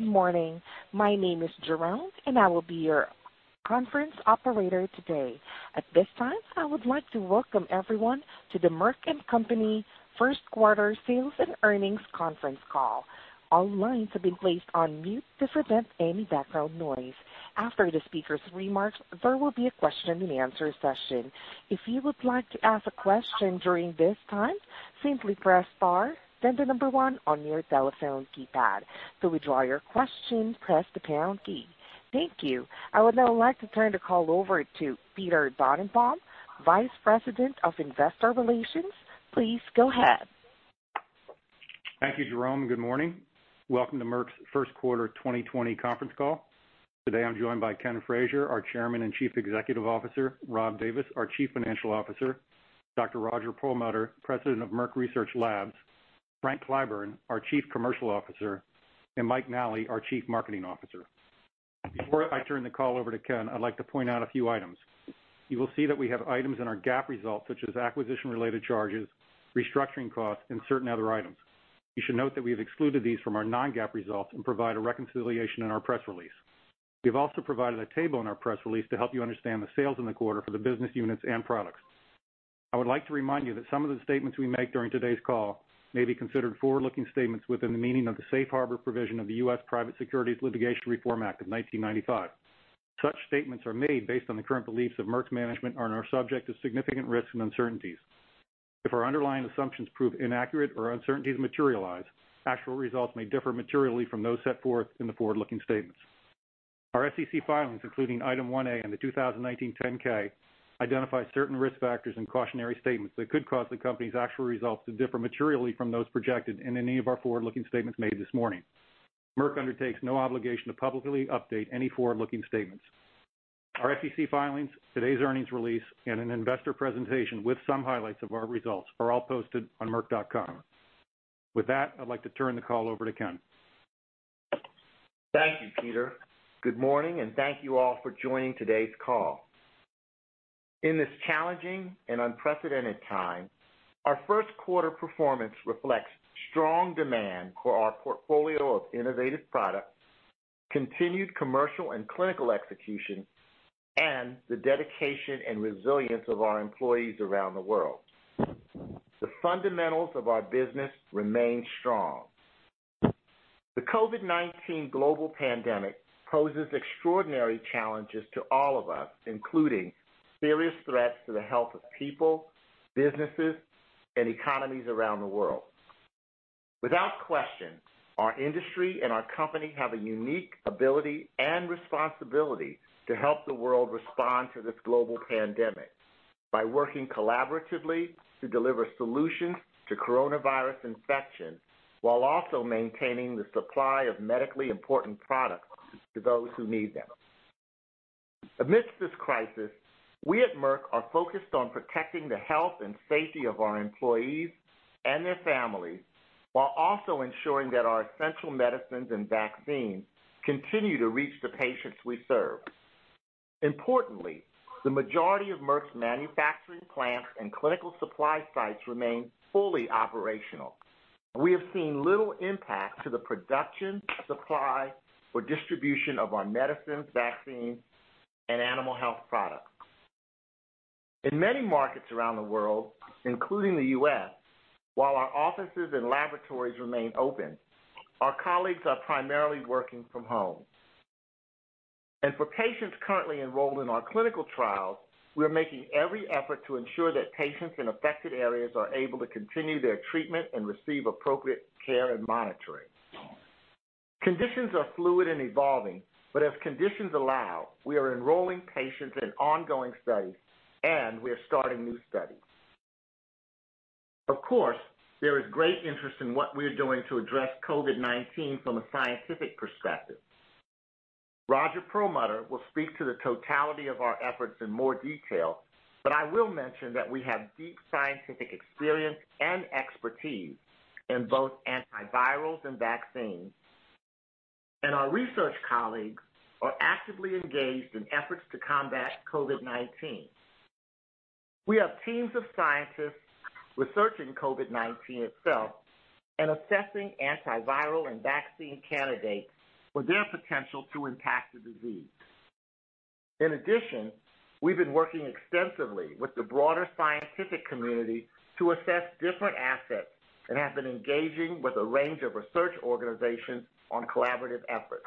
Good morning. My name is Jerome, and I will be your conference operator today. At this time, I would like to welcome everyone to the Merck & Co. first quarter sales and earnings conference call. All lines have been placed on mute to prevent any background noise. After the speaker's remarks, there will be a question-and-answer session. If you would like to ask a question during this time, simply press star, then the number one on your telephone keypad. To withdraw your question, press the pound key. Thank you. I would now like to turn the call over to Peter Dannenbaum, Vice President of Investor Relations. Please go ahead. Thank you, Jerome. Good morning. Welcome to Merck's first quarter 2020 conference call. Today, I'm joined by Ken Frazier, our Chairman and Chief Executive Officer, Rob Davis, our Chief Financial Officer, Dr. Roger Perlmutter, President of Merck Research Labs, Frank Clyburn, our Chief Commercial Officer, and Mike Nally, our Chief Marketing Officer. Before I turn the call over to Ken, I'd like to point out a few items. You will see that we have items in our GAAP results, such as acquisition-related charges, restructuring costs, and certain other items. You should note that we have excluded these from our non-GAAP results and provide a reconciliation in our press release. We have also provided a table in our press release to help you understand the sales in the quarter for the business units and products. I would like to remind you that some of the statements we make during today's call may be considered forward-looking statements within the meaning of the Safe Harbor provision of the U.S. Private Securities Litigation Reform Act of 1995. Such statements are made based on the current beliefs of Merck's management and are subject to significant risks and uncertainties. If our underlying assumptions prove inaccurate or uncertainties materialize, actual results may differ materially from those set forth in the forward-looking statements. Our SEC filings, including Item 1A in the 2019 10-K, identify certain risk factors and cautionary statements that could cause the company's actual results to differ materially from those projected in any of our forward-looking statements made this morning. Merck undertakes no obligation to publicly update any forward-looking statements. Our SEC filings, today's earnings release, and an investor presentation with some highlights of our results are all posted on merck.com. With that, I'd like to turn the call over to Ken. Thank you, Peter. Good morning, thank you all for joining today's call. In this challenging and unprecedented time, our first quarter performance reflects strong demand for our portfolio of innovative products, continued commercial and clinical execution, and the dedication and resilience of our employees around the world. The fundamentals of our business remain strong. The COVID-19 global pandemic poses extraordinary challenges to all of us, including serious threats to the health of people, businesses, and economies around the world. Without question, our industry and our company have a unique ability and responsibility to help the world respond to this global pandemic by working collaboratively to deliver solutions to coronavirus infection while also maintaining the supply of medically important products to those who need them. Amidst this crisis, we at Merck are focused on protecting the health and safety of our employees and their families while also ensuring that our essential medicines and vaccines continue to reach the patients we serve. Importantly, the majority of Merck's manufacturing plants and clinical supply sites remain fully operational. We have seen little impact to the production, supply, or distribution of our medicines, vaccines, and animal health products. In many markets around the world, including the U.S., while our offices and laboratories remain open, our colleagues are primarily working from home. For patients currently enrolled in our clinical trials, we are making every effort to ensure that patients in affected areas are able to continue their treatment and receive appropriate care and monitoring. Conditions are fluid and evolving, but as conditions allow, we are enrolling patients in ongoing studies, and we are starting new studies. Of course, there is great interest in what we're doing to address COVID-19 from a scientific perspective. Roger Perlmutter will speak to the totality of our efforts in more detail, but I will mention that we have deep scientific experience and expertise in both antivirals and vaccines, and our research colleagues are actively engaged in efforts to combat COVID-19. We have teams of scientists researching COVID-19 itself and assessing antiviral and vaccine candidates for their potential to impact the disease. In addition, we've been working extensively with the broader scientific community to assess different assets and have been engaging with a range of research organizations on collaborative efforts.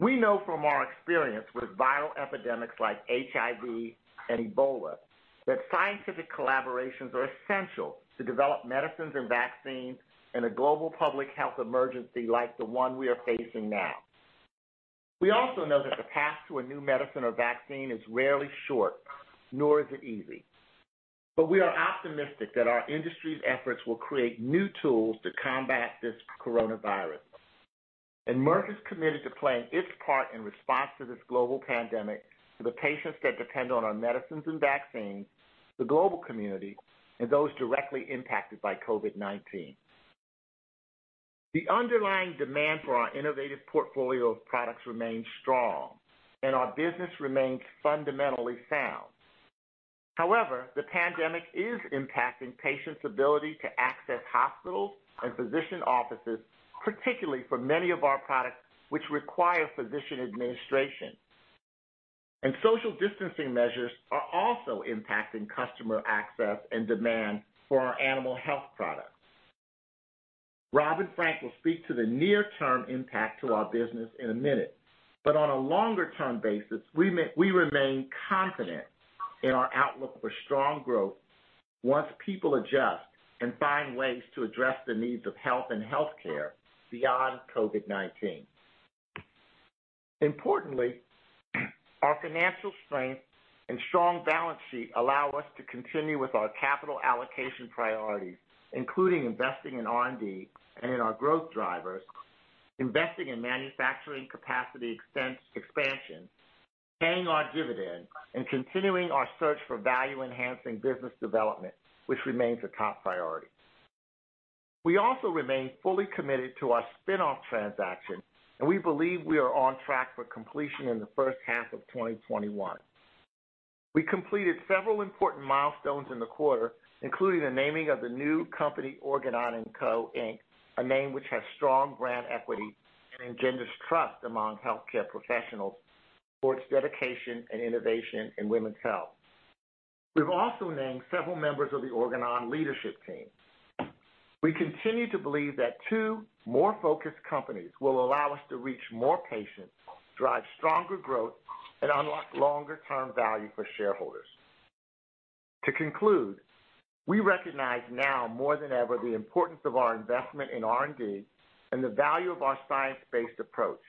We know from our experience with viral epidemics like HIV and Ebola that scientific collaborations are essential to develop medicines and vaccines in a global public health emergency like the one we are facing now. We also know that the path to a new medicine or vaccine is rarely short, nor is it easy. We are optimistic that our industry's efforts will create new tools to combat this coronavirus. Merck is committed to playing its part in response to this global pandemic for the patients that depend on our medicines and vaccines, the global community, and those directly impacted by COVID-19. The underlying demand for our innovative portfolio of products remains strong, and our business remains fundamentally sound. The pandemic is impacting patients' ability to access hospitals and physician offices, particularly for many of our products which require physician administration. Social distancing measures are also impacting customer access and demand for our animal health products. Rob and Frank will speak to the near-term impact to our business in a minute. On a longer-term basis, we remain confident in our outlook for strong growth once people adjust and find ways to address the needs of health and healthcare beyond COVID-19. Importantly, our financial strength and strong balance sheet allow us to continue with our capital allocation priorities, including investing in R&D and in our growth drivers, investing in manufacturing capacity expansion, paying our dividend, and continuing our search for value-enhancing business development, which remains a top priority. We also remain fully committed to our spin-off transaction. We believe we are on track for completion in the first half of 2021. We completed several important milestones in the quarter, including the naming of the new company, Organon & Co., Inc., a name which has strong brand equity and engenders trust among healthcare professionals for its dedication and innovation in women's health. We've also named several members of the Organon leadership team. We continue to believe that two more focused companies will allow us to reach more patients, drive stronger growth, and unlock longer-term value for shareholders. To conclude, we recognize now more than ever the importance of our investment in R&D and the value of our science-based approach.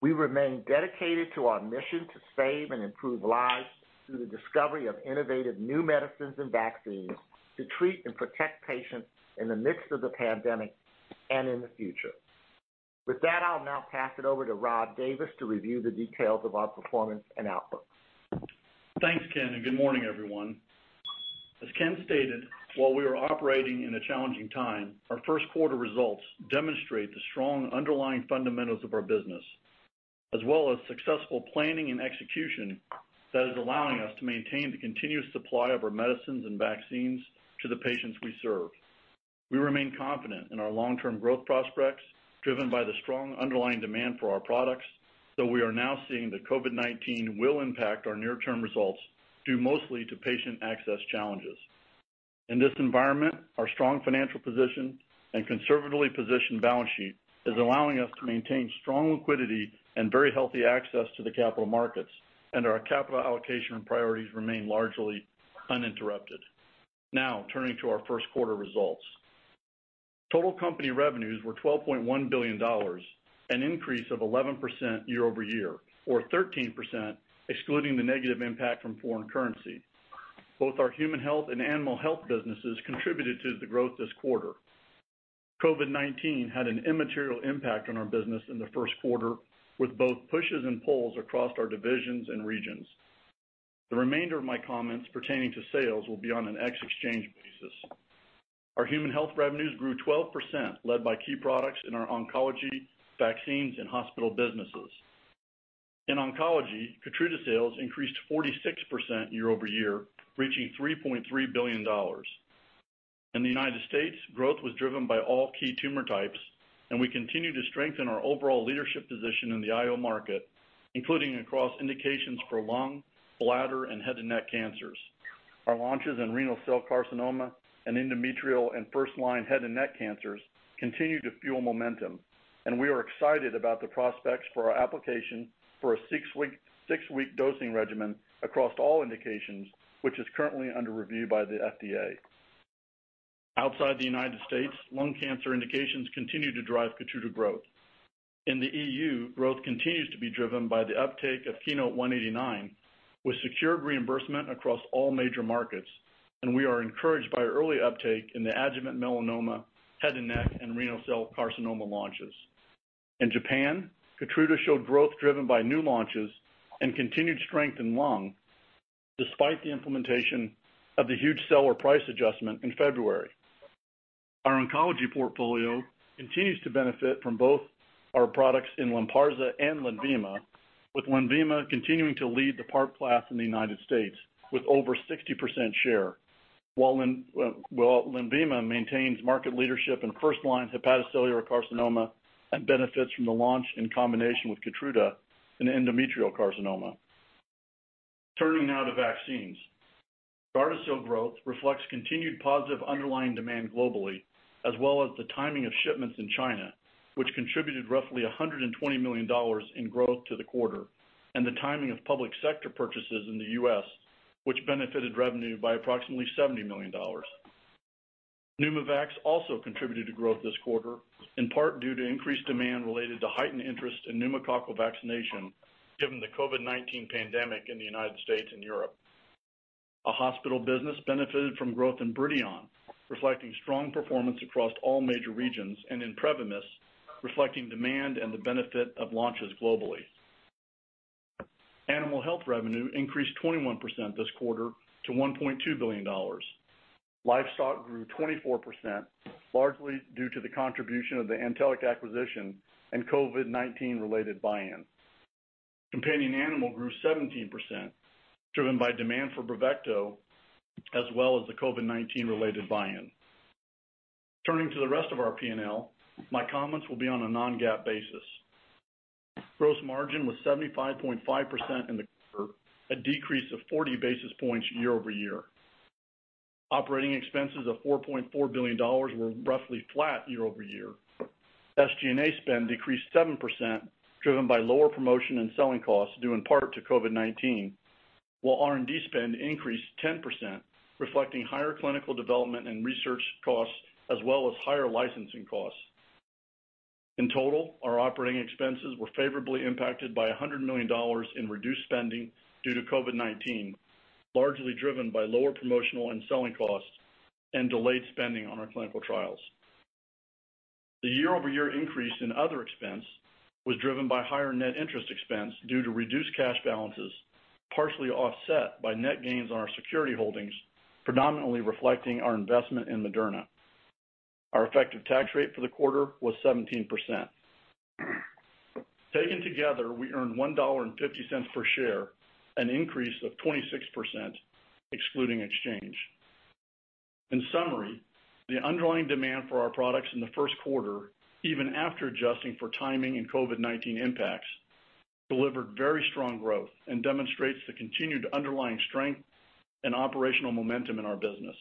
We remain dedicated to our mission to save and improve lives through the discovery of innovative new medicines and vaccines to treat and protect patients in the midst of the pandemic and in the future. With that, I'll now pass it over to Rob Davis to review the details of our performance and outlook. Thanks, Ken, and good morning, everyone. As Ken stated, while we are operating in a challenging time, our first quarter results demonstrate the strong underlying fundamentals of our business, as well as successful planning and execution that is allowing us to maintain the continuous supply of our medicines and vaccines to the patients we serve. We remain confident in our long-term growth prospects, driven by the strong underlying demand for our products, though we are now seeing that COVID-19 will impact our near-term results due mostly to patient access challenges. In this environment, our strong financial position and conservatively positioned balance sheet is allowing us to maintain strong liquidity and very healthy access to the capital markets, and our capital allocation priorities remain largely uninterrupted. Now, turning to our first quarter results. Total company revenues were $12.1 billion, an increase of 11% year-over-year, or 13% excluding the negative impact from foreign currency. Both our human health and animal health businesses contributed to the growth this quarter. COVID-19 had an immaterial impact on our business in the first quarter, with both pushes and pulls across our divisions and regions. The remainder of my comments pertaining to sales will be on an ex exchange basis. Our human health revenues grew 12%, led by key products in our oncology, vaccines, and hospital businesses. In oncology, Keytruda sales increased 46% year-over-year, reaching $3.3 billion. In the United States, growth was driven by all key tumor types, and we continue to strengthen our overall leadership position in the IO market, including across indications for lung, bladder, and head and neck cancers. Our launches in renal cell carcinoma and endometrial and first-line head and neck cancers continue to fuel momentum, and we are excited about the prospects for our application for a six-week dosing regimen across all indications, which is currently under review by the FDA. Outside the United States, lung cancer indications continue to drive Keytruda growth. In the EU, growth continues to be driven by the uptake of KEYNOTE-189, with secured reimbursement across all major markets, and we are encouraged by early uptake in the adjuvant melanoma, head and neck, and renal cell carcinoma launches. In Japan, Keytruda showed growth driven by new launches and continued strength in lung, despite the implementation of the huge seller price adjustment in February. Our oncology portfolio continues to benefit from both our products in Lynparza and Lenvima, with Lenvima continuing to lead the PARP class in the United States with over 60% share. Lenvima maintains market leadership in first-line hepatocellular carcinoma and benefits from the launch in combination with Keytruda in endometrial carcinoma. Turning now to vaccines. Gardasil growth reflects continued positive underlying demand globally, as well as the timing of shipments in China, which contributed roughly $120 million in growth to the quarter, and the timing of public sector purchases in the U.S., which benefited revenue by approximately $70 million. Pneumovax also contributed to growth this quarter, in part due to increased demand related to heightened interest in pneumococcal vaccination, given the COVID-19 pandemic in the U.S. and Europe. Our hospital business benefited from growth in Bridion, reflecting strong performance across all major regions, and in Prevymis, reflecting demand and the benefit of launches globally. Animal health revenue increased 21% this quarter to $1.2 billion. Livestock grew 24%, largely due to the contribution of the Antelliq acquisition and COVID-19 related buy-in. Companion animal grew 17%, driven by demand for Bravecto as well as the COVID-19 related buy-in. Turning to the rest of our P&L, my comments will be on a non-GAAP basis. Gross margin was 75.5% in the quarter, a decrease of 40 basis points year-over-year. Operating expenses of $4.4 billion were roughly flat year-over-year. SG&A spend decreased 7%, driven by lower promotion and selling costs due in part to COVID-19, while R&D spend increased 10%, reflecting higher clinical development and research costs, as well as higher licensing costs. In total, our operating expenses were favorably impacted by $100 million in reduced spending due to COVID-19, largely driven by lower promotional and selling costs and delayed spending on our clinical trials. The year-over-year increase in other expense was driven by higher net interest expense due to reduced cash balances, partially offset by net gains on our security holdings, predominantly reflecting our investment in Moderna. Our effective tax rate for the quarter was 17%. Taken together, we earned $1.50 per share, an increase of 26%, excluding exchange. In summary, the underlying demand for our products in the first quarter, even after adjusting for timing and COVID-19 impacts, delivered very strong growth and demonstrates the continued underlying strength and operational momentum in our business.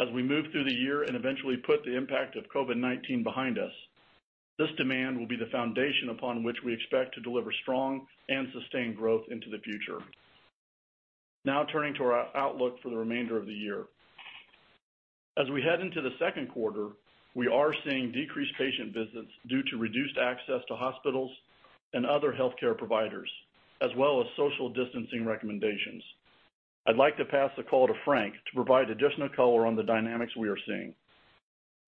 As we move through the year and eventually put the impact of COVID-19 behind us, this demand will be the foundation upon which we expect to deliver strong and sustained growth into the future. Now turning to our outlook for the remainder of the year. As we head into the second quarter, we are seeing decreased patient visits due to reduced access to hospitals and other healthcare providers, as well as social distancing recommendations. I'd like to pass the call to Frank to provide additional color on the dynamics we are seeing.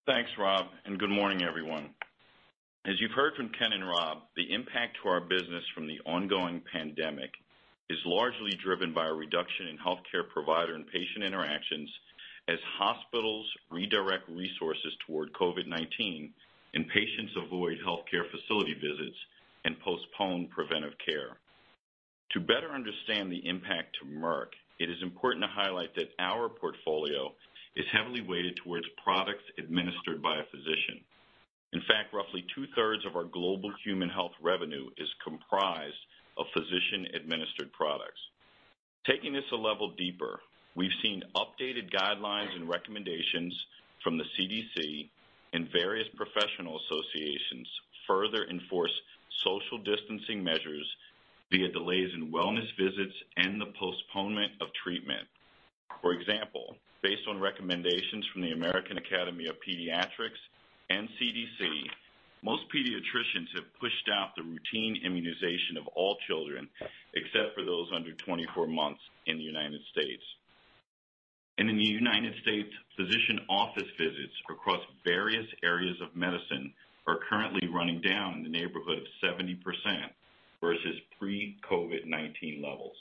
Thanks, Rob. Good morning, everyone. As you've heard from Ken and Rob, the impact to our business from the ongoing pandemic is largely driven by a reduction in healthcare provider and patient interactions as hospitals redirect resources toward COVID-19 and patients avoid healthcare facility visits and postpone preventive care. To better understand the impact to Merck, it is important to highlight that our portfolio is heavily weighted towards products administered by a physician. In fact, roughly 2/3 of our global human health revenue is comprised of physician-administered products. Taking this a level deeper, we've seen updated guidelines and recommendations from the CDC and various professional associations further enforce social distancing measures via delays in wellness visits and the postponement of treatment. For example, based on recommendations from the American Academy of Pediatrics and CDC, most pediatricians have pushed out the routine immunization of all children, except for those under 24 months in the U.S. In the U.S., physician office visits across various areas of medicine are currently running down in the neighborhood of 70% versus pre-COVID-19 levels.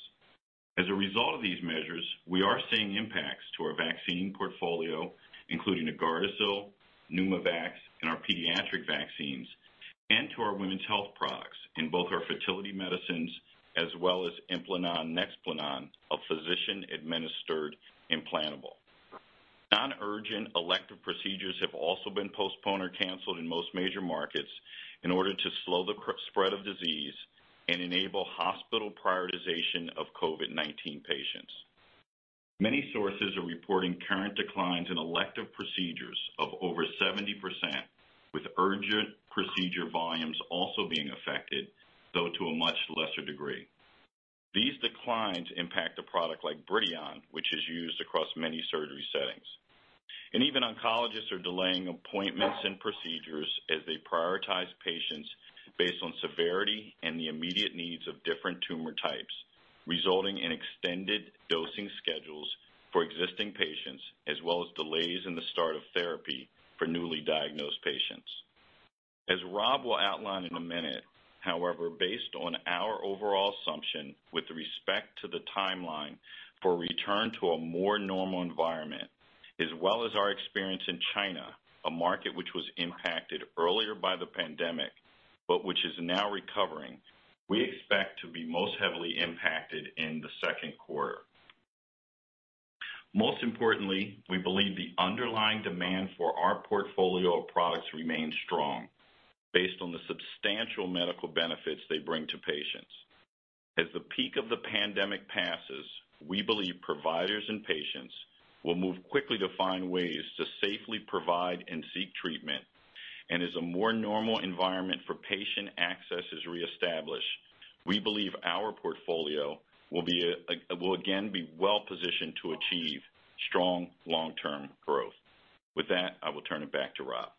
As a result of these measures, we are seeing impacts to our vaccine portfolio, including Gardasil, Pneumovax, and our pediatric vaccines, and to our women's health products in both our fertility medicines, as well as Implanon/Nexplanon, a physician-administered implantable. Non-urgent elective procedures have also been postponed or canceled in most major markets in order to slow the spread of disease and enable hospital prioritization of COVID-19 patients. Many sources are reporting current declines in elective procedures of over 70%, with urgent procedure volumes also being affected, though to a much lesser degree. These declines impact a product like Bridion, which is used across many surgery settings. Even oncologists are delaying appointments and procedures as they prioritize patients based on severity and the immediate needs of different tumor types, resulting in extended dosing schedules for existing patients, as well as delays in the start of therapy for newly diagnosed patients. As Rob will outline in a minute, however, based on our overall assumption with respect to the timeline for return to a more normal environment, as well as our experience in China, a market which was impacted earlier by the pandemic, but which is now recovering, we expect to be most heavily impacted in the second quarter. Most importantly, we believe the underlying demand for our portfolio of products remains strong based on the substantial medical benefits they bring to patients. As the peak of the pandemic passes, we believe providers and patients will move quickly to find ways to safely provide and seek treatment. As a more normal environment for patient access is reestablished, we believe our portfolio will again be well-positioned to achieve strong long-term growth. With that, I will turn it back to Rob.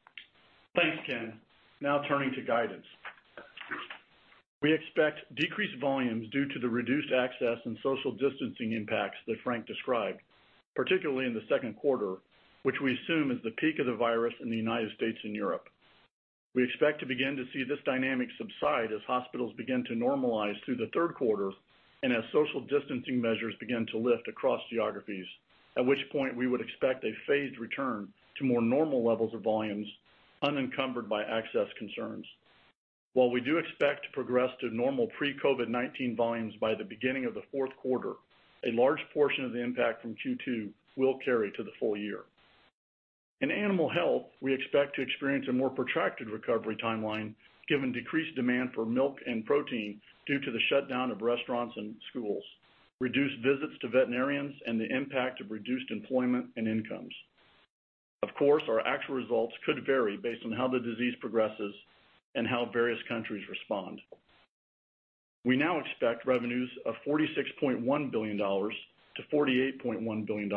Thanks, Frank. Now turning to guidance. We expect decreased volumes due to the reduced access and social distancing impacts that Frank described, particularly in the second quarter, which we assume is the peak of the virus in the United States and Europe. We expect to begin to see this dynamic subside as hospitals begin to normalize through the third quarter and as social distancing measures begin to lift across geographies, at which point we would expect a phased return to more normal levels of volumes unencumbered by access concerns. While we do expect to progress to normal pre-COVID-19 volumes by the beginning of the fourth quarter, a large portion of the impact from Q2 will carry to the full year. In animal health, we expect to experience a more protracted recovery timeline given decreased demand for milk and protein due to the shutdown of restaurants and schools, reduced visits to veterinarians, and the impact of reduced employment and incomes. Of course, our actual results could vary based on how the disease progresses and how various countries respond. We now expect revenues of $46.1 billion-$48.1 billion,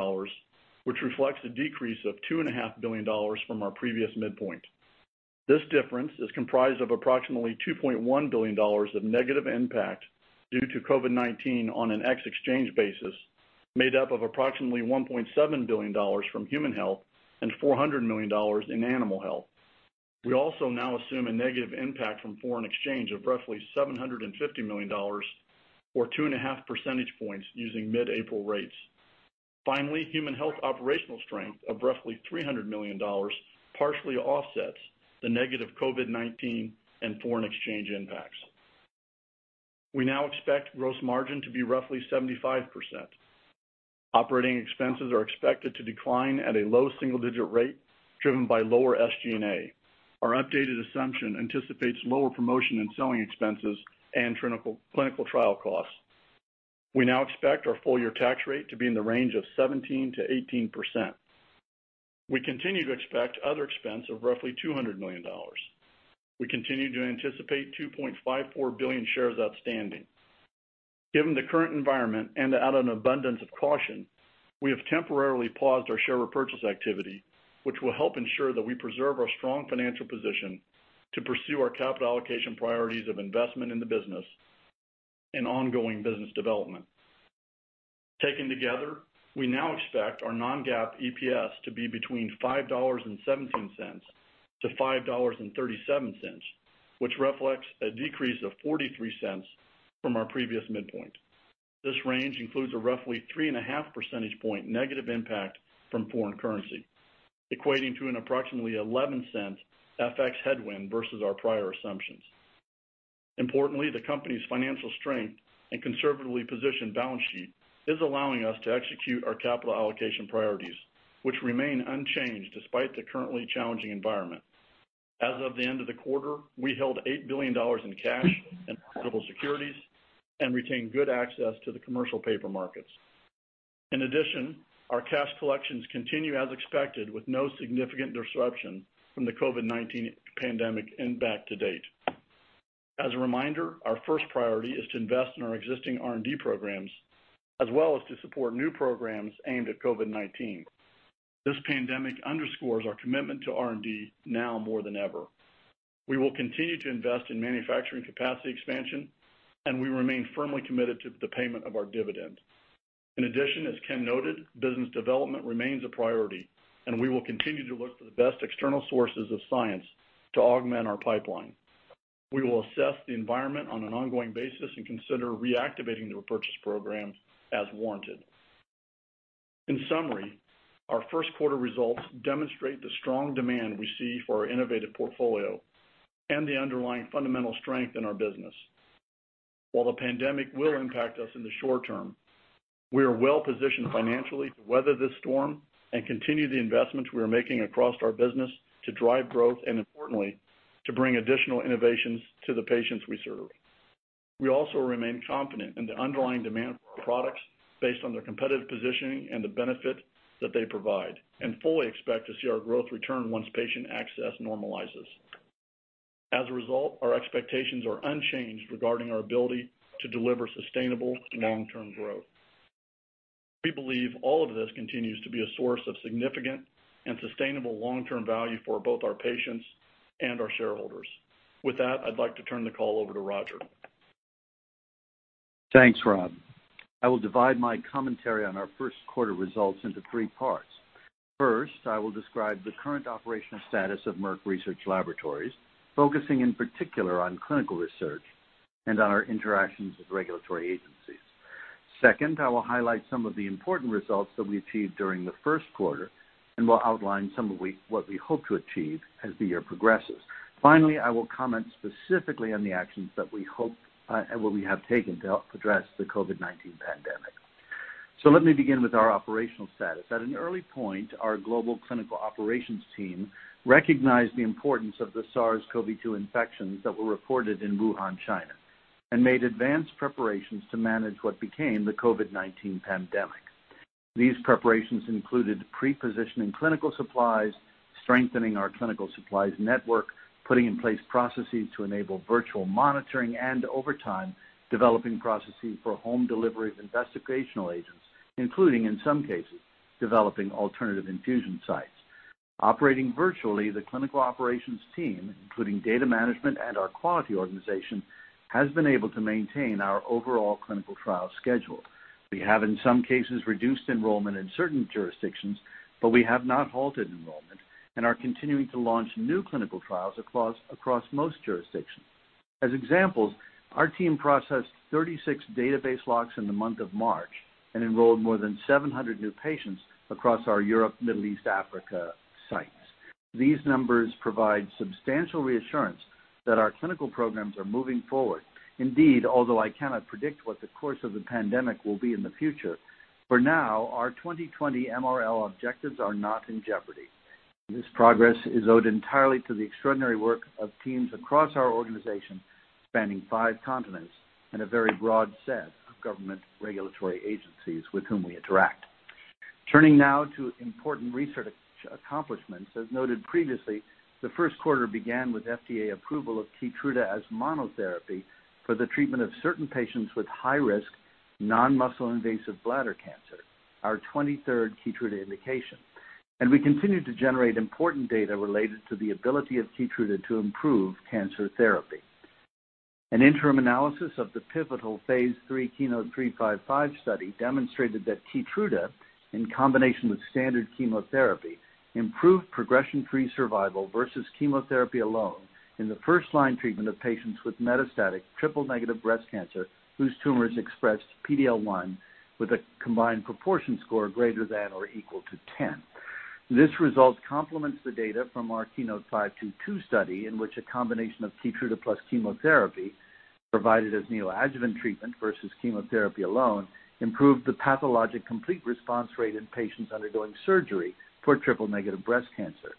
which reflects a decrease of $2.5 billion from our previous midpoint. This difference is comprised of approximately $2.1 billion of negative impact due to COVID-19 on an ex exchange basis, made up of approximately $1.7 billion from human health and $400 million in animal health. We also now assume a negative impact from foreign exchange of roughly $750 million, or 2.5 percentage points using mid-April rates. Human health operational strength of roughly $300 million partially offsets the negative COVID-19 and foreign exchange impacts. We now expect gross margin to be roughly 75%. Operating expenses are expected to decline at a low single-digit rate, driven by lower SG&A. Our updated assumption anticipates lower promotion and selling expenses and clinical trial costs. We now expect our full-year tax rate to be in the range of 17%-18%. We continue to expect other expense of roughly $200 million. We continue to anticipate 2.54 billion shares outstanding. Given the current environment and out of an abundance of caution, we have temporarily paused our share repurchase activity, which will help ensure that we preserve our strong financial position to pursue our capital allocation priorities of investment in the business and ongoing business development. Taken together, we now expect our non-GAAP EPS to be between $5.17-$5.37, which reflects a decrease of $0.43 from our previous midpoint. This range includes a roughly 3.5 percentage point negative impact from foreign currency, equating to an approximately $0.11 FX headwind versus our prior assumptions. Importantly, the company's financial strength and conservatively positioned balance sheet is allowing us to execute our capital allocation priorities, which remain unchanged despite the currently challenging environment. As of the end of the quarter, we held $8 billion in cash and available securities and retained good access to the commercial paper markets. In addition, our cash collections continue as expected, with no significant disruption from the COVID-19 pandemic impact to date. As a reminder, our first priority is to invest in our existing R&D programs, as well as to support new programs aimed at COVID-19. This pandemic underscores our commitment to R&D now more than ever. We will continue to invest in manufacturing capacity expansion, and we remain firmly committed to the payment of our dividend. In addition, as Ken noted, business development remains a priority, and we will continue to look for the best external sources of science to augment our pipeline. We will assess the environment on an ongoing basis and consider reactivating the repurchase program as warranted. In summary, our first quarter results demonstrate the strong demand we see for our innovative portfolio and the underlying fundamental strength in our business. While the pandemic will impact us in the short term, we are well positioned financially to weather this storm and continue the investments we are making across our business to drive growth and importantly, to bring additional innovations to the patients we serve. We also remain confident in the underlying demand for our products based on their competitive positioning and the benefit that they provide, and fully expect to see our growth return once patient access normalizes. As a result, our expectations are unchanged regarding our ability to deliver sustainable long-term growth. We believe all of this continues to be a source of significant and sustainable long-term value for both our patients and our shareholders. With that, I'd like to turn the call over to Roger. Thanks, Rob. I will divide my commentary on our first quarter results into three parts. First, I will describe the current operational status of Merck Research Laboratories, focusing in particular on clinical research and on our interactions with regulatory agencies. Second, I will highlight some of the important results that we achieved during the first quarter and will outline some of what we hope to achieve as the year progresses. Finally, I will comment specifically on the actions that we hope and what we have taken to help address the COVID-19 pandemic. Let me begin with our operational status. At an early point, our global clinical operations team recognized the importance of the SARS-CoV-2 infections that were reported in Wuhan, China, and made advanced preparations to manage what became the COVID-19 pandemic. These preparations included pre-positioning clinical supplies, strengthening our clinical supplies network, putting in place processes to enable virtual monitoring and over time, developing processes for home delivery of investigational agents, including, in some cases, developing alternative infusion sites. Operating virtually, the clinical operations team, including data management and our quality organization, has been able to maintain our overall clinical trial schedule. We have, in some cases, reduced enrollment in certain jurisdictions, but we have not halted enrollment. We are continuing to launch new clinical trials across most jurisdictions. As examples, our team processed 36 database locks in the month of March and enrolled more than 700 new patients across our Europe, Middle East, Africa sites. These numbers provide substantial reassurance that our clinical programs are moving forward. Indeed, although I cannot predict what the course of the pandemic will be in the future, for now, our 2020 MRL objectives are not in jeopardy. This progress is owed entirely to the extraordinary work of teams across our organization, spanning five continents and a very broad set of government regulatory agencies with whom we interact. Turning now to important research accomplishments. As noted previously, the first quarter began with FDA approval of Keytruda as monotherapy for the treatment of certain patients with high-risk non-muscle invasive bladder cancer, our 23rd Keytruda indication. We continue to generate important data related to the ability of KEYTRUDA to improve cancer therapy. An interim analysis of the pivotal phase III KEYNOTE-355 study demonstrated that Keytruda, in combination with standard chemotherapy, improved progression-free survival versus chemotherapy alone in the first-line treatment of patients with metastatic triple-negative breast cancer, whose tumors expressed PD-L1 with a combined proportion score greater than or equal to 10. This result complements the data from our KEYNOTE-522 study, in which a combination of Keytruda plus chemotherapy, provided as neoadjuvant treatment versus chemotherapy alone, improved the pathologic complete response rate in patients undergoing surgery for triple-negative breast cancer.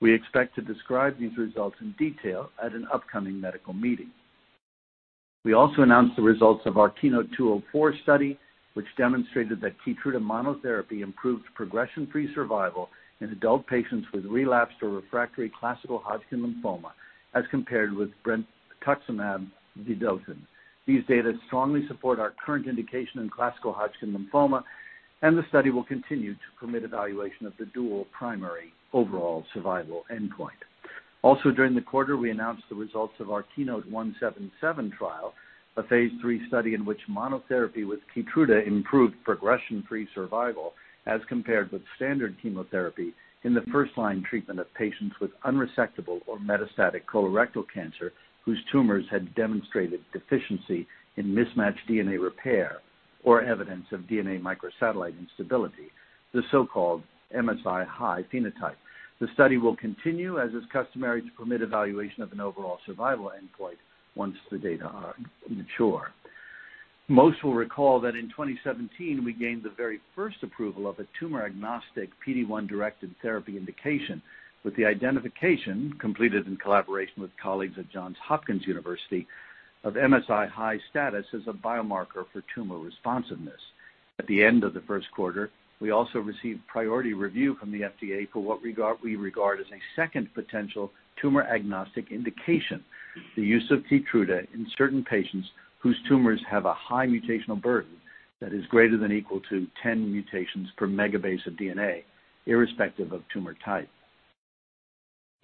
We expect to describe these results in detail at an upcoming medical meeting. We also announced the results of our KEYNOTE-204 study, which demonstrated that Keytruda monotherapy improved progression-free survival in adult patients with relapsed or refractory classical Hodgkin lymphoma, as compared with brentuximab vedotin. These data strongly support our current indication in classical Hodgkin lymphoma. The study will continue to permit evaluation of the dual primary overall survival endpoint. Also, during the quarter, we announced the results of our KEYNOTE-177 trial, a phase III study in which monotherapy with Keytruda improved progression-free survival as compared with standard chemotherapy in the first-line treatment of patients with unresectable or metastatic colorectal cancer, whose tumors had demonstrated deficiency in mismatched DNA repair or evidence of DNA microsatellite instability, the so-called MSI-high phenotype. The study will continue, as is customary, to permit evaluation of an overall survival endpoint once the data are mature. Most will recall that in 2017, we gained the very first approval of a tumor-agnostic PD-1 directed therapy indication with the identification, completed in collaboration with colleagues at Johns Hopkins University, of MSI-high status as a biomarker for tumor responsiveness. At the end of the first quarter, we also received priority review from the FDA for what we regard as a second potential tumor-agnostic indication, the use of Keytruda in certain patients whose tumors have a high mutational burden that is greater than equal to 10 mutations per megabase of DNA, irrespective of tumor type.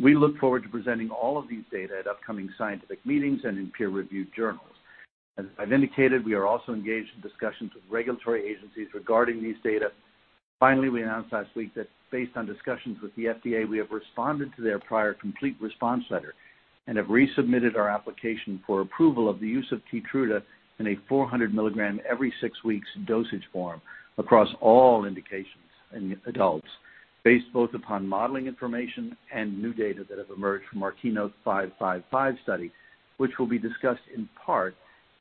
We look forward to presenting all of these data at upcoming scientific meetings and in peer-reviewed journals. As I've indicated, we are also engaged in discussions with regulatory agencies regarding these data. We announced last week that based on discussions with the FDA, we have responded to their prior complete response letter and have resubmitted our application for approval of the use of Keytruda in a 400 mg every six weeks dosage form across all indications in adults, based both upon modeling information and new data that have emerged from our KEYNOTE-555 study, which will be discussed in part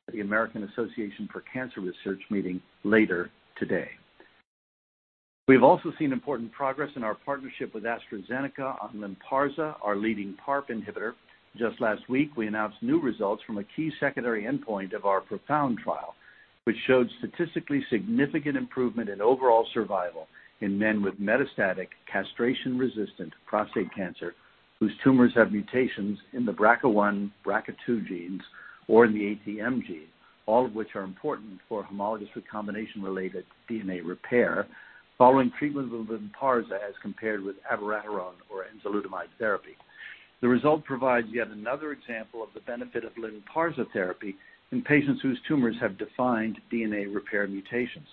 at the American Association for Cancer Research meeting later today. We've also seen important progress in our partnership with AstraZeneca on Lynparza, our leading PARP inhibitor. Just last week, we announced new results from a key secondary endpoint of our PROfound trial, which showed statistically significant improvement in overall survival in men with metastatic castration-resistant prostate cancer, whose tumors have mutations in the BRCA1, BRCA2 genes or in the ATM gene, all of which are important for homologous recombination related DNA repair following treatment with Lynparza as compared with abiraterone or enzalutamide therapy. The result provides yet another example of the benefit of Lynparza therapy in patients whose tumors have defined DNA repair mutations.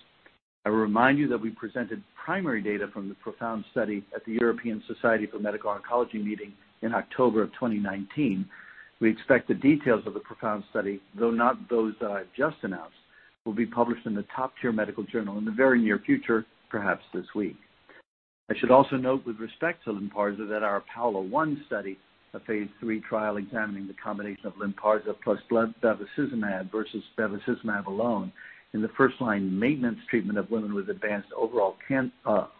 I remind you that we presented primary data from the PROfound study at the European Society for Medical Oncology meeting in October of 2019. We expect the details of the PROfound study, though not those that I've just announced, will be published in a top-tier medical journal in the very near future, perhaps this week. I should also note with respect to Lynparza that our PAOLA-1 study, a phase III trial examining the combination of Lynparza plus bevacizumab versus bevacizumab alone in the first-line maintenance treatment of women with advanced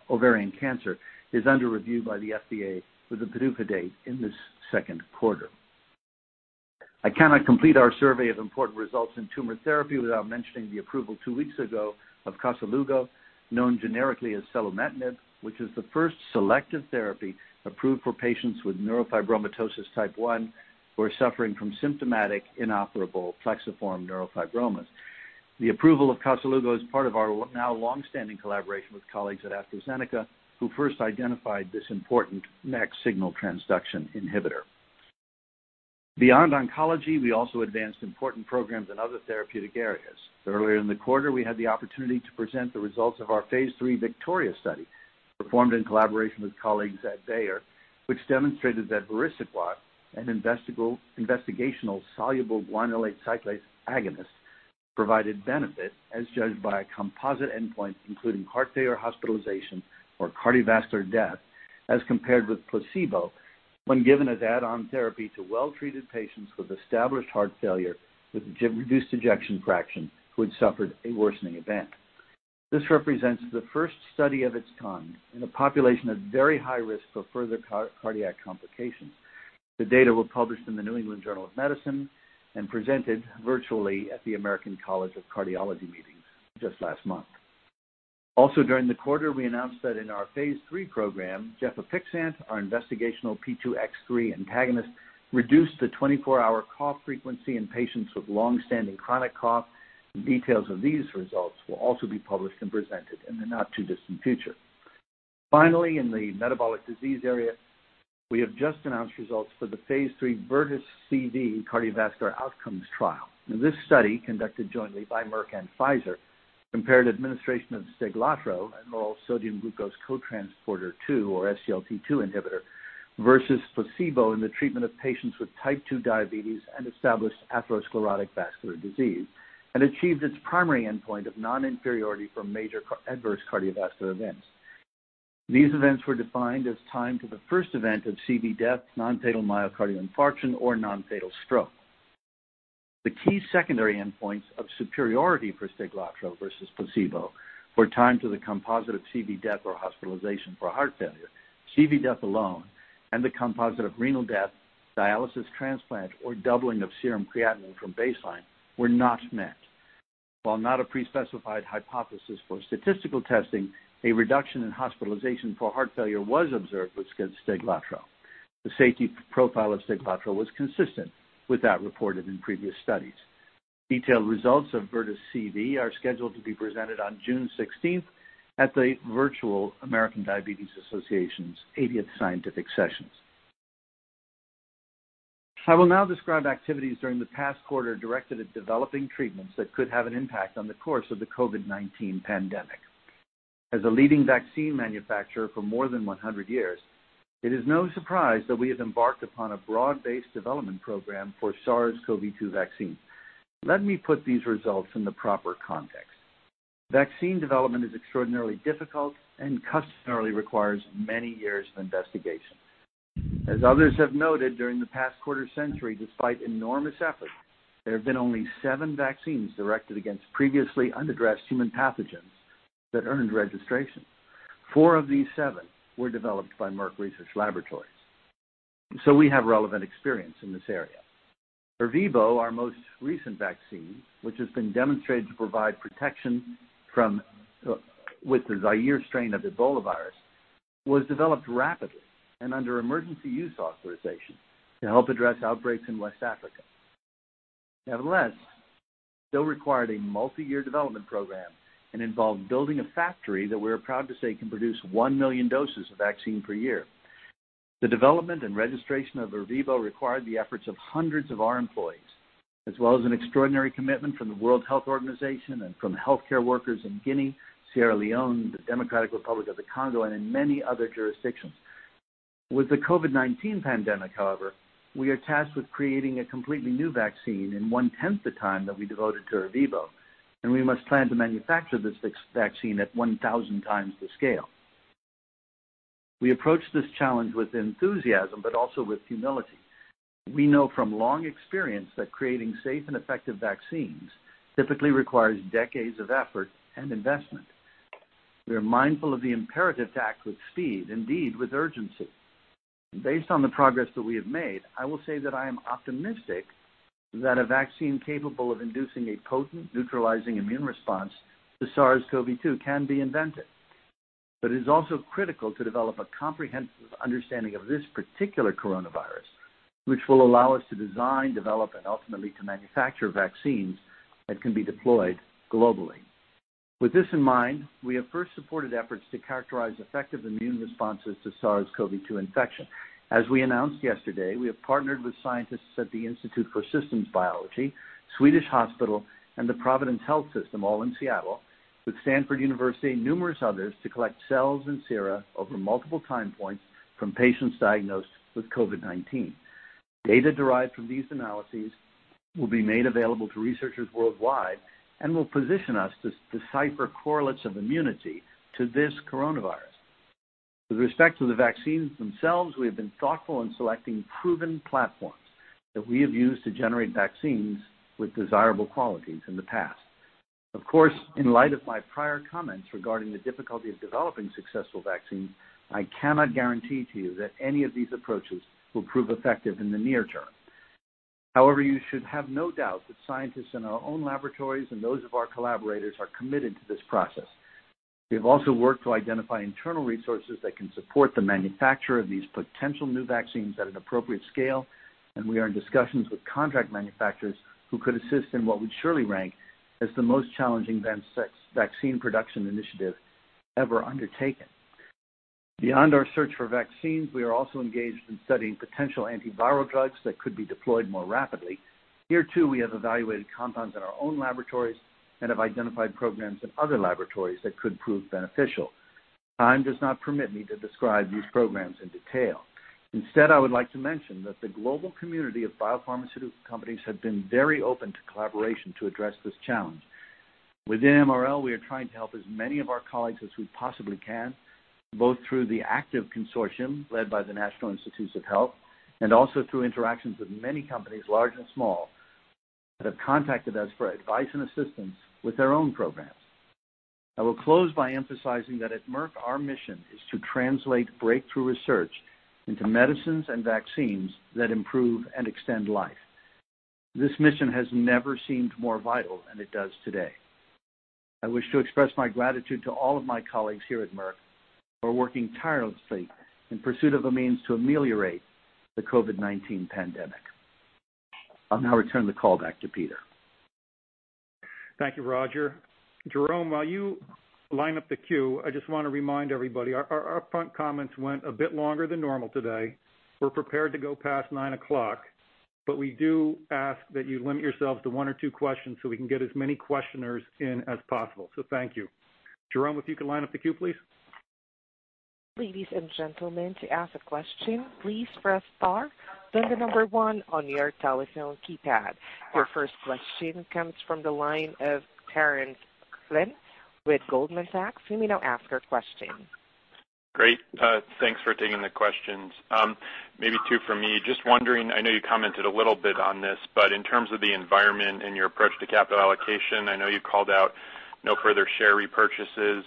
ovarian cancer, is under review by the FDA with a PDUFA date in this second quarter. I cannot complete our survey of important results in tumor therapy without mentioning the approval two weeks ago of Koselugo, known generically as selumetinib, which is the first selective therapy approved for patients with neurofibromatosis type 1 who are suffering from symptomatic inoperable plexiform neurofibromas. The approval of Koselugo is part of our now longstanding collaboration with colleagues at AstraZeneca, who first identified this important MEK signal transduction inhibitor. Beyond oncology, we also advanced important programs in other therapeutic areas. Earlier in the quarter, we had the opportunity to present the results of our phase III VICTORIA study, performed in collaboration with colleagues at Bayer, which demonstrated that vericiguat, an investigational soluble guanylate cyclase agonist, provided benefit as judged by a composite endpoint including heart failure hospitalization or cardiovascular death, as compared with placebo when given as add-on therapy to well-treated patients with established heart failure with reduced ejection fraction who had suffered a worsening event. This represents the first study of its kind in a population at very high risk for further cardiac complications. The data were published in The New England Journal of Medicine and presented virtually at the American College of Cardiology meetings just last month. During the quarter, we announced that in our phase III program, gefapixant, our investigational P2X3 antagonist, reduced the 24-hour cough frequency in patients with longstanding chronic cough, and details of these results will also be published and presented in the not-too-distant future. In the metabolic disease area, we have just announced results for the phase III VERTIS CV cardiovascular outcomes trial. This study, conducted jointly by Merck and Pfizer, compared administration of Steglatro, a oral sodium-glucose co-transporter 2 or SGLT2 inhibitor, versus placebo in the treatment of patients with type 2 diabetes and established atherosclerotic vascular disease and achieved its primary endpoint of non-inferiority for major adverse cardiovascular events. These events were defined as time to the first event of CV death, non-fatal myocardial infarction, or non-fatal stroke. The key secondary endpoints of superiority for Steglatro versus placebo were time to the composite of CV death or hospitalization for heart failure, CV death alone, and the composite of renal death, dialysis transplant, or doubling of serum creatinine from baseline were not met. While not a pre-specified hypothesis for statistical testing, a reduction in hospitalization for heart failure was observed with Steglatro. The safety profile of Steglatro was consistent with that reported in previous studies. Detailed results of VERTIS CV are scheduled to be presented on June 16th at the virtual American Diabetes Association's 80th Scientific Sessions. I will now describe activities during the past quarter directed at developing treatments that could have an impact on the course of the COVID-19 pandemic. As a leading vaccine manufacturer for more than 100 years, it is no surprise that we have embarked upon a broad-based development program for SARS-CoV-2 vaccines. Let me put these results in the proper context. Vaccine development is extraordinarily difficult and customarily requires many years of investigation. As others have noted during the past quarter-century, despite enormous effort, there have been only seven vaccines directed against previously unaddressed human pathogens that earned registration. Four of these seven were developed by Merck Research Laboratories. We have relevant experience in this area. Ervebo, our most recent vaccine, which has been demonstrated to provide protection with the Zaire strain of Ebola virus, was developed rapidly and under emergency use authorization to help address outbreaks in West Africa. Nevertheless, it still required a multiyear development program and involved building a factory that we're proud to say can produce 1 million doses of vaccine per year. The development and registration of Ervebo required the efforts of hundreds of our employees, as well as an extraordinary commitment from the World Health Organization and from healthcare workers in Guinea, Sierra Leone, the Democratic Republic of the Congo, and in many other jurisdictions. With the COVID-19 pandemic, however, we are tasked with creating a completely new vaccine in 1/10 the time that we devoted to Ervebo, and we must plan to manufacture this vaccine at 1,000 times the scale. We approach this challenge with enthusiasm, but also with humility. We know from long experience that creating safe and effective vaccines typically requires decades of effort and investment. We are mindful of the imperative to act with speed, indeed, with urgency. Based on the progress that we have made, I will say that I am optimistic that a vaccine capable of inducing a potent neutralizing immune response to SARS-CoV-2 can be invented. It is also critical to develop a comprehensive understanding of this particular coronavirus, which will allow us to design, develop, and ultimately to manufacture vaccines that can be deployed globally. With this in mind, we have first supported efforts to characterize effective immune responses to SARS-CoV-2 infection. As we announced yesterday, we have partnered with scientists at the Institute for Systems Biology, Swedish Medical Center, and the Providence Health & Services, all in Seattle, with Stanford University and numerous others to collect cells and sera over multiple time points from patients diagnosed with COVID-19. Data derived from these analyses will be made available to researchers worldwide and will position us to decipher correlates of immunity to this coronavirus. With respect to the vaccines themselves, we have been thoughtful in selecting proven platforms that we have used to generate vaccines with desirable qualities in the past. Of course, in light of my prior comments regarding the difficulty of developing successful vaccines, I cannot guarantee to you that any of these approaches will prove effective in the near term. However, you should have no doubt that scientists in our own laboratories and those of our collaborators are committed to this process. We have also worked to identify internal resources that can support the manufacture of these potential new vaccines at an appropriate scale, and we are in discussions with contract manufacturers who could assist in what would surely rank as the most challenging vaccine production initiative ever undertaken. Beyond our search for vaccines, we are also engaged in studying potential antiviral drugs that could be deployed more rapidly. Here too, we have evaluated compounds in our own laboratories and have identified programs in other laboratories that could prove beneficial. Time does not permit me to describe these programs in detail. Instead, I would like to mention that the global community of biopharmaceutical companies have been very open to collaboration to address this challenge. Within MRL, we are trying to help as many of our colleagues as we possibly can, both through the active consortium led by the National Institutes of Health, and also through interactions with many companies, large and small, that have contacted us for advice and assistance with their own programs. I will close by emphasizing that at Merck, our mission is to translate breakthrough research into medicines and vaccines that improve and extend life. This mission has never seemed more vital than it does today. I wish to express my gratitude to all of my colleagues here at Merck who are working tirelessly in pursuit of a means to ameliorate the COVID-19 pandemic. I'll now return the call back to Peter. Thank you, Roger. Jerome, while you line up the queue, I just want to remind everybody, our upfront comments went a bit longer than normal today. We're prepared to go past 9:00, but we do ask that you limit yourselves to one or two questions so we can get as many questioners in as possible. Thank you. Jerome, if you could line up the queue, please. Ladies and gentlemen, to ask a question, please press star, then the number one on your telephone keypad. Your first question comes from the line of Terence Flynn with Goldman Sachs. You may now ask your question. Great. Thanks for taking the questions. Maybe two from me. Just wondering, I know you commented a little bit on this, but in terms of the environment and your approach to capital allocation, I know you called out no further share repurchases.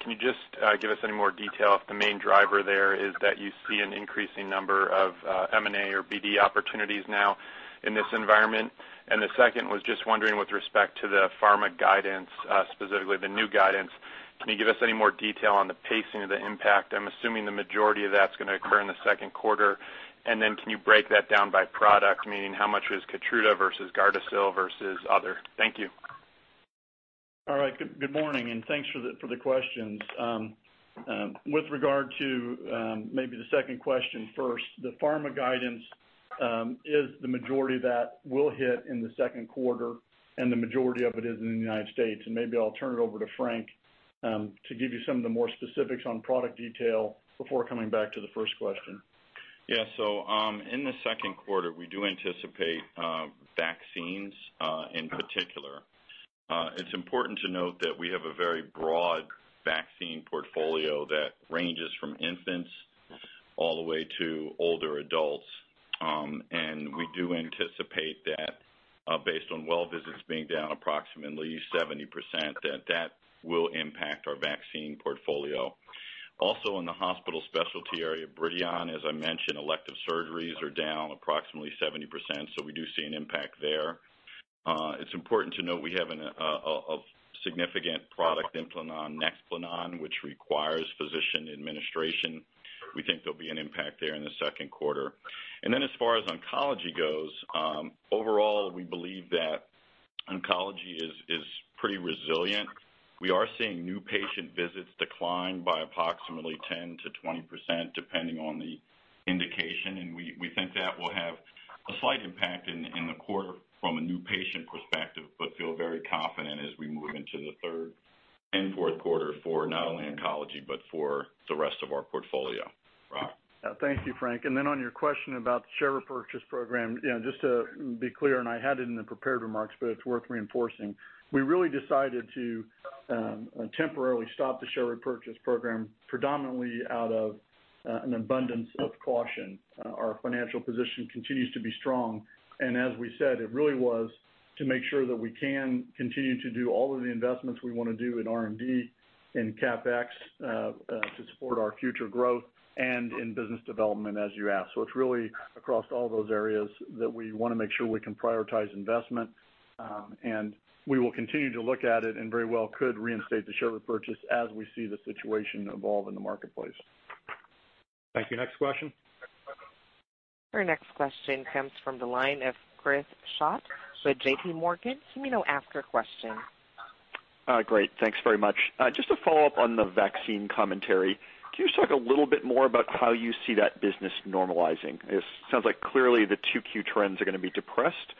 Can you just give us any more detail if the main driver there is that you see an increasing number of M&A or BD opportunities now in this environment? The second was just wondering with respect to the pharma guidance, specifically the new guidance, can you give us any more detail on the pacing of the impact? I'm assuming the majority of that's going to occur in the second quarter. Can you break that down by product, meaning how much was Keytruda versus Gardasil versus other? Thank you. All right, good morning. Thanks for the questions. With regard to maybe the second question first, the pharma guidance is the majority that will hit in the second quarter, and the majority of it is in the United States. Maybe I'll turn it over to Frank to give you some of the more specifics on product detail before coming back to the first question. Yeah. In the second quarter, we do anticipate vaccines in particular. It's important to note that we have a very broad vaccine portfolio that ranges from infants all the way to older adults. We do anticipate that based on well visits being down approximately 70%, that that will impact our vaccine portfolio. Also in the hospital specialty area, Bridion, as I mentioned, elective surgeries are down approximately 70%, so we do see an impact there. It's important to note we have a significant product Implanon/Nexplanon, which requires physician administration. We think there'll be an impact there in the second quarter. As far as oncology goes, overall, we believe that oncology is pretty resilient. We are seeing new patient visits decline by approximately 10% to 20%, depending on the indication, and we think that will have a slight impact in the quarter from a new patient perspective, but feel very confident as we move into the third and fourth quarter for not only oncology, but for the rest of our portfolio. Rob. Thank you, Frank. On your question about the share repurchase program, just to be clear, and I had it in the prepared remarks, but it's worth reinforcing. We really decided to temporarily stop the share repurchase program predominantly out of an abundance of caution. Our financial position continues to be strong, and as we said, it really was to make sure that we can continue to do all of the investments we want to do in R&D, in CapEx, to support our future growth and in business development, as you asked. It's really across all those areas that we want to make sure we can prioritize investment. We will continue to look at it and very well could reinstate the share repurchase as we see the situation evolve in the marketplace. Thank you. Next question. Our next question comes from the line of Chris Schott with JPMorgan. You may now ask your question. Great. Thanks very much. Just to follow up on the vaccine commentary, can you just talk a little bit more about how you see that business normalizing? It sounds like clearly the 2Q trends are going to be depressed.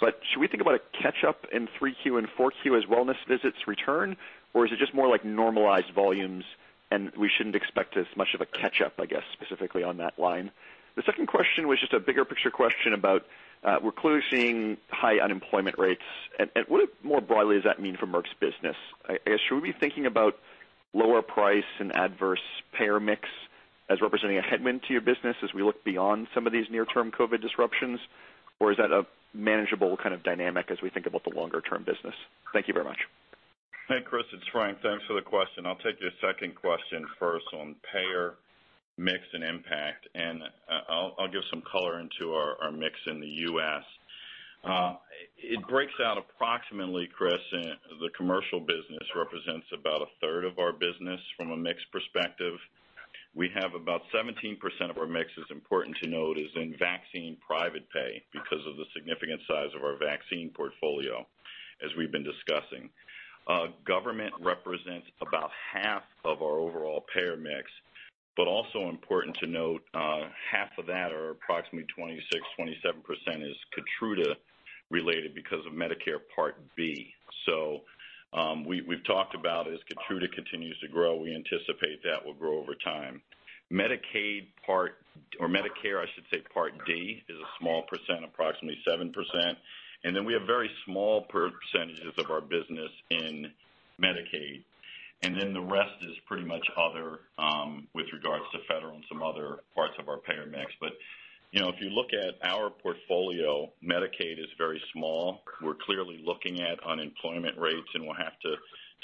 Should we think about a catch-up in 3Q and 4Q as wellness visits return, or is it just more like normalized volumes and we shouldn't expect as much of a catch-up, I guess, specifically on that line? The second question was just a bigger picture question about, we're clearly seeing high unemployment rates. What more broadly does that mean for Merck's business? I guess, should we be thinking about lower price and adverse payer mix as representing a headwind to your business as we look beyond some of these near-term COVID disruptions? Is that a manageable kind of dynamic as we think about the longer-term business? Thank you very much. Hey, Chris, it's Frank. Thanks for the question. I'll take your second question first on payer mix and impact. I'll give some color into our mix in the U.S. It breaks out approximately, Chris, the commercial business represents about 1/3 of our business from a mix perspective. We have about 17% of our mix, is important to note, is in vaccine private pay because of the significant size of our vaccine portfolio as we've been discussing. Government represents about half of our overall payer mix. Also important to note, half of that or approximately 26%, 27% is Keytruda related because of Medicare Part B. We've talked about as Keytruda continues to grow, we anticipate that will grow over time. Medicare Part D is a small percent, approximately 7%. We have very small percentages of our business in Medicaid. The rest is pretty much other, with regards to federal and some other parts of our payer mix. If you look at our portfolio, Medicaid is very small. We're clearly looking at unemployment rates, and we'll have to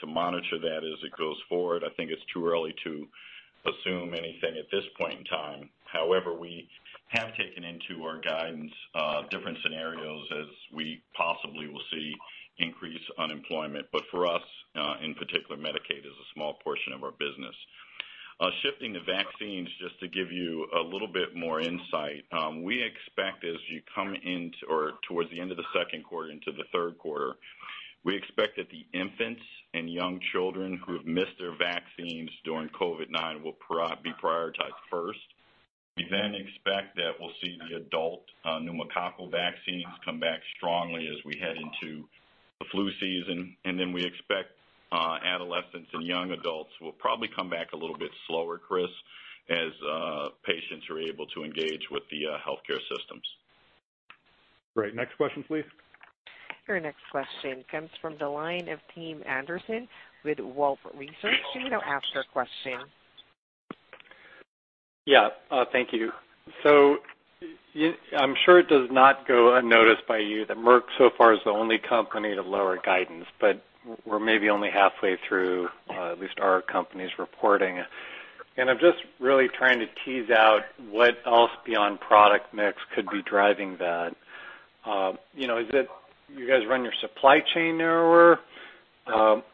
monitor that as it goes forward. I think it's too early to assume anything at this point in time. However, we have taken into our guidance, different scenarios as we possibly will see increased unemployment. For us, in particular, Medicaid is a small portion of our business. Shifting to vaccines, just to give you a little bit more insight, we expect as you come towards the end of the second quarter into the third quarter, we expect that the infants and young children who have missed their vaccines during COVID-19 will be prioritized first. We expect that we'll see the adult pneumococcal vaccines come back strongly as we head into the flu season. We expect adolescents and young adults will probably come back a little bit slower, Chris, as patients are able to engage with the healthcare systems. Great. Next question please. Your next question comes from the line of Tim Anderson with Wolfe Research. You may now ask your question. Thank you. I'm sure it does not go unnoticed by you that Merck so far is the only company to lower guidance, we're maybe only halfway through at least our company's reporting. I'm just really trying to tease out what else beyond product mix could be driving that. Is it you guys run your supply chain narrower,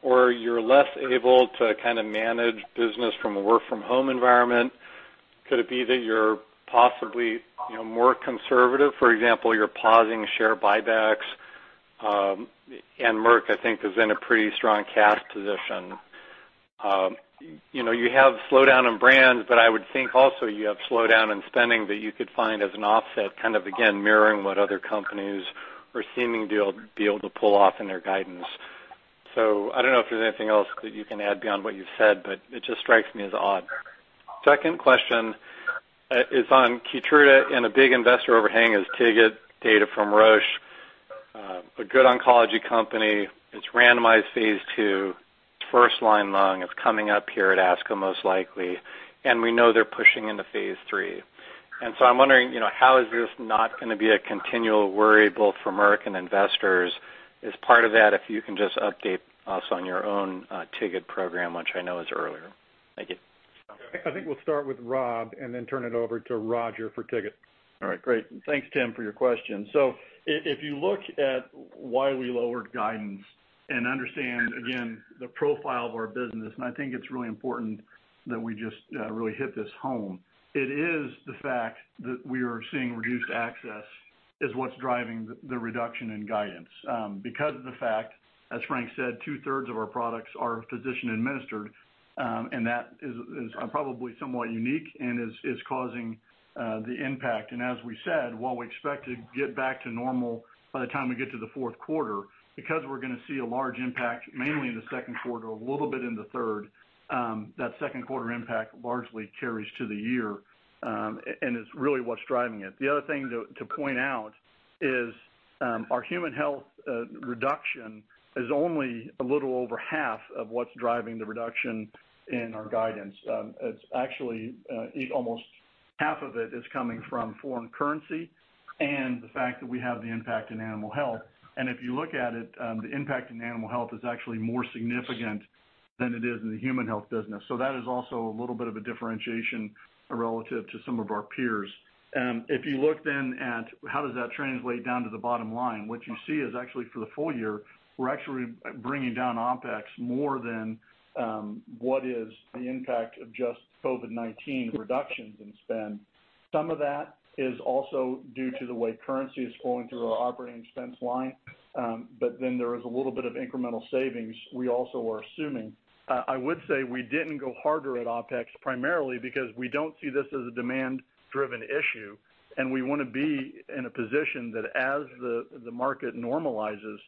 or you're less able to kind of manage business from a work-from-home environment? Could it be that you're possibly more conservative, for example, you're pausing share buybacks, Merck I think is in a pretty strong cash position. You have slowdown in brands, I would think also you have slowdown in spending that you could find as an offset, kind of again, mirroring what other companies are seeming to be able to pull off in their guidance. I don't know if there's anything else that you can add beyond what you've said, but it just strikes me as odd. Second question is on Keytruda and a big investor overhang is TIGIT data from Roche, a good oncology company. Its randomized phase II, first line lung is coming up here at ASCO most likely, and we know they're pushing into phase III. I'm wondering, how is this not going to be a continual worry both for Merck and investors? As part of that, if you can just update us on your own TIGIT program, which I know is earlier. Thank you. I think we'll start with Rob and then turn it over to Roger for TIGIT. All right, great. Thanks, Tim, for your question. If you look at why we lowered guidance and understand, again, the profile of our business, and I think it's really important that we just really hit this home, it is the fact that we are seeing reduced access is what's driving the reduction in guidance. Because of the fact, as Frank said, 2/3 of our products are physician administered, and that is probably somewhat unique and is causing the impact. As we said, while we expect to get back to normal by the time we get to the fourth quarter, because we're going to see a large impact mainly in the second quarter, a little bit in the third, that second quarter impact largely carries to the year, and is really what's driving it. The other thing to point out is our Human Health reduction is only a little over half of what's driving the reduction in our guidance. Actually, almost half of it is coming from foreign currency and the fact that we have the impact in Animal Health. The impact in Animal Health is actually more significant than it is in the Human Health business. That is also a little bit of a differentiation relative to some of our peers. If you look then at how does that translate down to the bottom line, what you see is actually for the full year, we're actually bringing down OpEx more than what is the impact of just COVID-19 reductions in spend. Some of that is also due to the way currency is flowing through our operating expense line. There is a little bit of incremental savings we also are assuming. I would say we didn't go harder at OpEx primarily because we don't see this as a demand-driven issue, and we want to be in a position that as the market normalizes,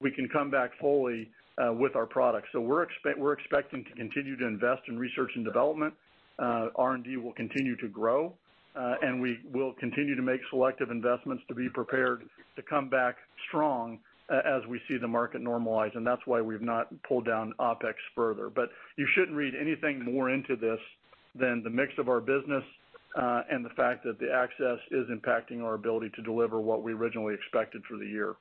we can come back fully with our products. We're expecting to continue to invest in research and development. R&D will continue to grow, and we will continue to make selective investments to be prepared to come back strong as we see the market normalize, and that's why we've not pulled down OpEx further. You shouldn't read anything more into this than the mix of our business, and the fact that the access is impacting our ability to deliver what we originally expected for the year.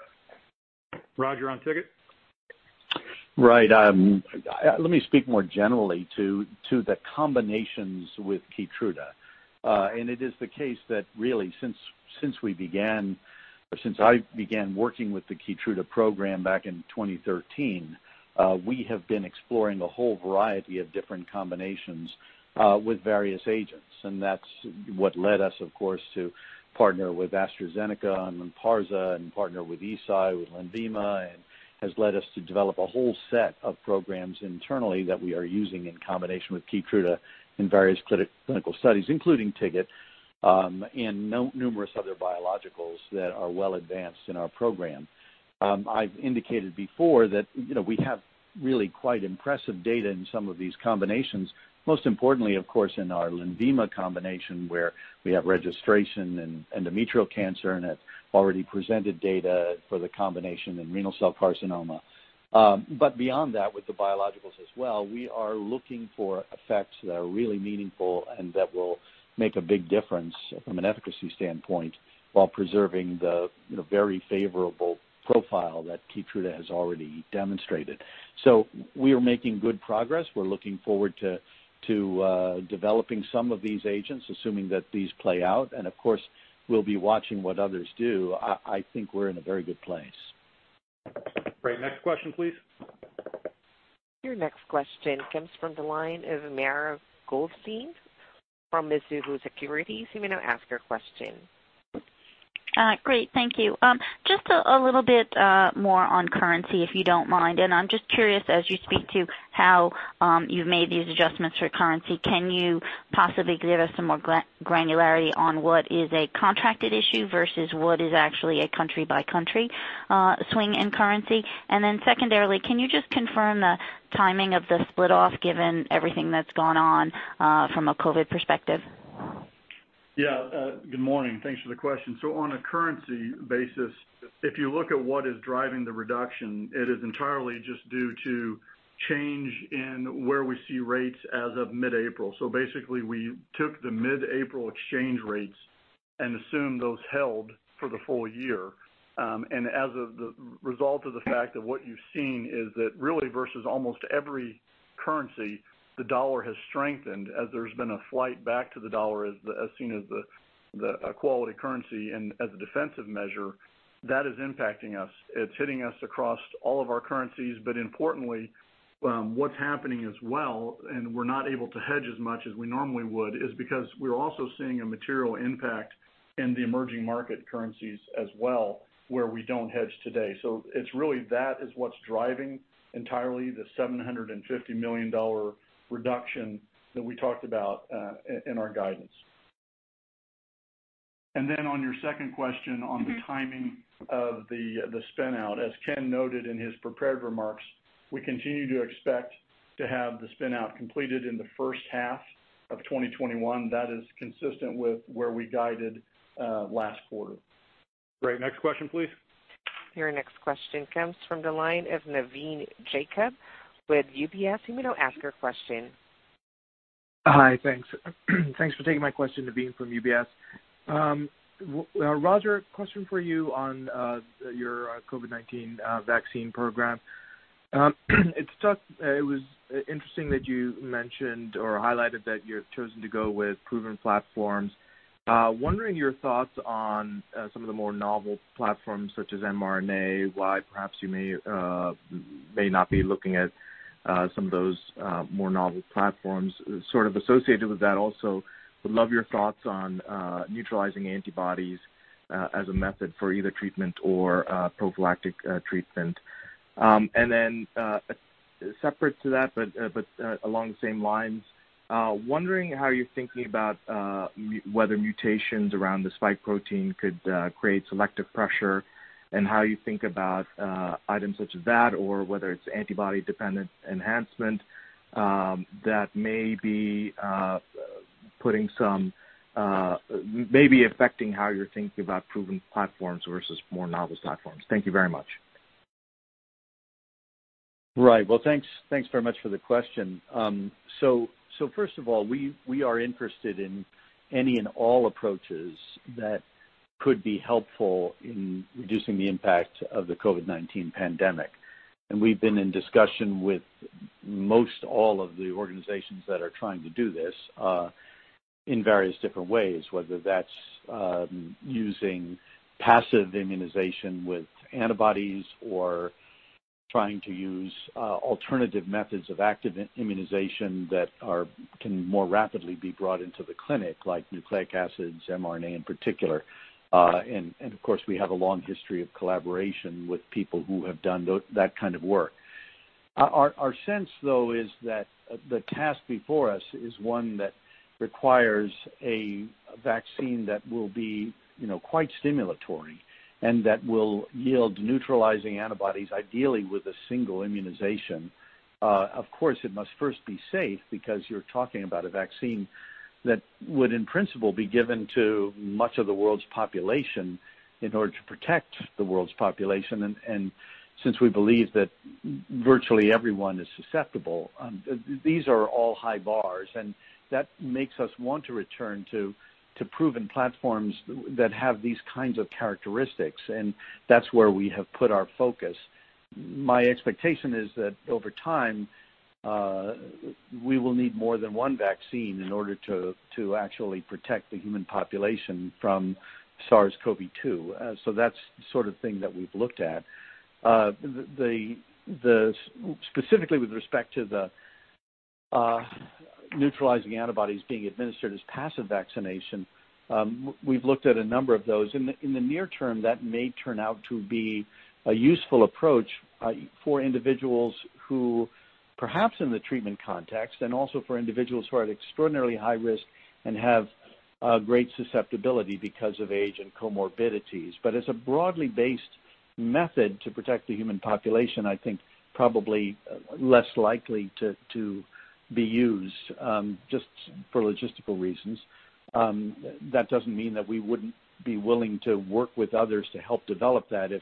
Roger, on TIGIT. Right. Let me speak more generally to the combinations with Keytruda. It is the case that really since I began working with the Keytruda program back in 2013, we have been exploring a whole variety of different combinations with various agents. That's what led us, of course, to partner with AstraZeneca on Lynparza and partner with Eisai with Lenvima, and has led us to develop a whole set of programs internally that we are using in combination with Keytruda in various clinical studies, including TIGIT, and numerous other biologicals that are well advanced in our program. I've indicated before that we have really quite impressive data in some of these combinations. Most importantly, of course, in our Lenvima combination, where we have registration in endometrial cancer and have already presented data for the combination in renal cell carcinoma. Beyond that, with the biologicals as well, we are looking for effects that are really meaningful and that will make a big difference from an efficacy standpoint while preserving the very favorable profile that Keytruda has already demonstrated. We are making good progress. We're looking forward to developing some of these agents, assuming that these play out. Of course, we'll be watching what others do. I think we're in a very good place. Great. Next question, please. Your next question comes from the line of Mara Goldstein from Mizuho Securities. You may now ask your question. Great. Thank you. Just a little bit more on currency, if you don't mind. I'm just curious as you speak to how you've made these adjustments for currency, can you possibly give us some more granularity on what is a contracted issue versus what is actually a country-by-country swing in currency? Then secondarily, can you just confirm the timing of the split off, given everything that's going on from a COVID-19 perspective? Yeah. Good morning. Thanks for the question. On a currency basis, if you look at what is driving the reduction, it is entirely just due to change in where we see rates as of mid-April. Basically, we took the mid-April exchange rates and assumed those held for the full year. As a result of the fact that what you've seen is that really versus almost every currency, the dollar has strengthened as there's been a flight back to the dollar as seen as a quality currency and as a defensive measure. That is impacting us. It's hitting us across all of our currencies. Importantly, what's happening as well, and we're not able to hedge as much as we normally would, is because we're also seeing a material impact in the emerging market currencies as well, where we don't hedge today. It's really that is what's driving entirely the $750 million reduction that we talked about in our guidance. Then on your second question on the timing of the spin-out, as Ken noted in his prepared remarks, we continue to expect to have the spin-out completed in the first half of 2021. That is consistent with where we guided last quarter. Great. Next question, please. Your next question comes from the line of Navin Jacob with UBS. You may now ask your question. Hi, thanks. Thanks for taking my question. Navin from UBS. Roger, question for you on your COVID-19 vaccine program. It was interesting that you mentioned or highlighted that you've chosen to go with proven platforms. Wondering your thoughts on some of the more novel platforms such as mRNA, why perhaps you may not be looking at some of those more novel platforms? Sort of associated with that also, would love your thoughts on neutralizing antibodies as a method for either treatment or prophylactic treatment? Separate to that, but along the same lines, wondering how you're thinking about whether mutations around the spike protein could create selective pressure, and how you think about items such as that or whether it's antibody-dependent enhancement that may be affecting how you're thinking about proven platforms versus more novel platforms? Thank you very much. Right. Well, thanks very much for the question. First of all, we are interested in any and all approaches that could be helpful in reducing the impact of the COVID-19 pandemic. We've been in discussion with most all of the organizations that are trying to do this in various different ways, whether that's using passive immunization with antibodies or trying to use alternative methods of active immunization that can more rapidly be brought into the clinic, like nucleic acids, mRNA in particular. Of course, we have a long history of collaboration with people who have done that kind of work. Our sense, though, is that the task before us is one that requires a vaccine that will be quite stimulatory and that will yield neutralizing antibodies, ideally with a single immunization. Of course, it must first be safe because you're talking about a vaccine that would, in principle, be given to much of the world's population in order to protect the world's population. Since we believe that virtually everyone is susceptible, these are all high bars, and that makes us want to return to proven platforms that have these kinds of characteristics, and that's where we have put our focus. My expectation is that over time, we will need more than one vaccine in order to actually protect the human population from SARS-CoV-2. That's the sort of thing that we've looked at. Specifically with respect to the neutralizing antibodies being administered as passive vaccination, we've looked at a number of those. In the near term, that may turn out to be a useful approach for individuals who, perhaps in the treatment context, and also for individuals who are at extraordinarily high risk and have great susceptibility because of age and comorbidities. As a broadly based method to protect the human population, I think probably less likely to be used, just for logistical reasons. That doesn't mean that we wouldn't be willing to work with others to help develop that if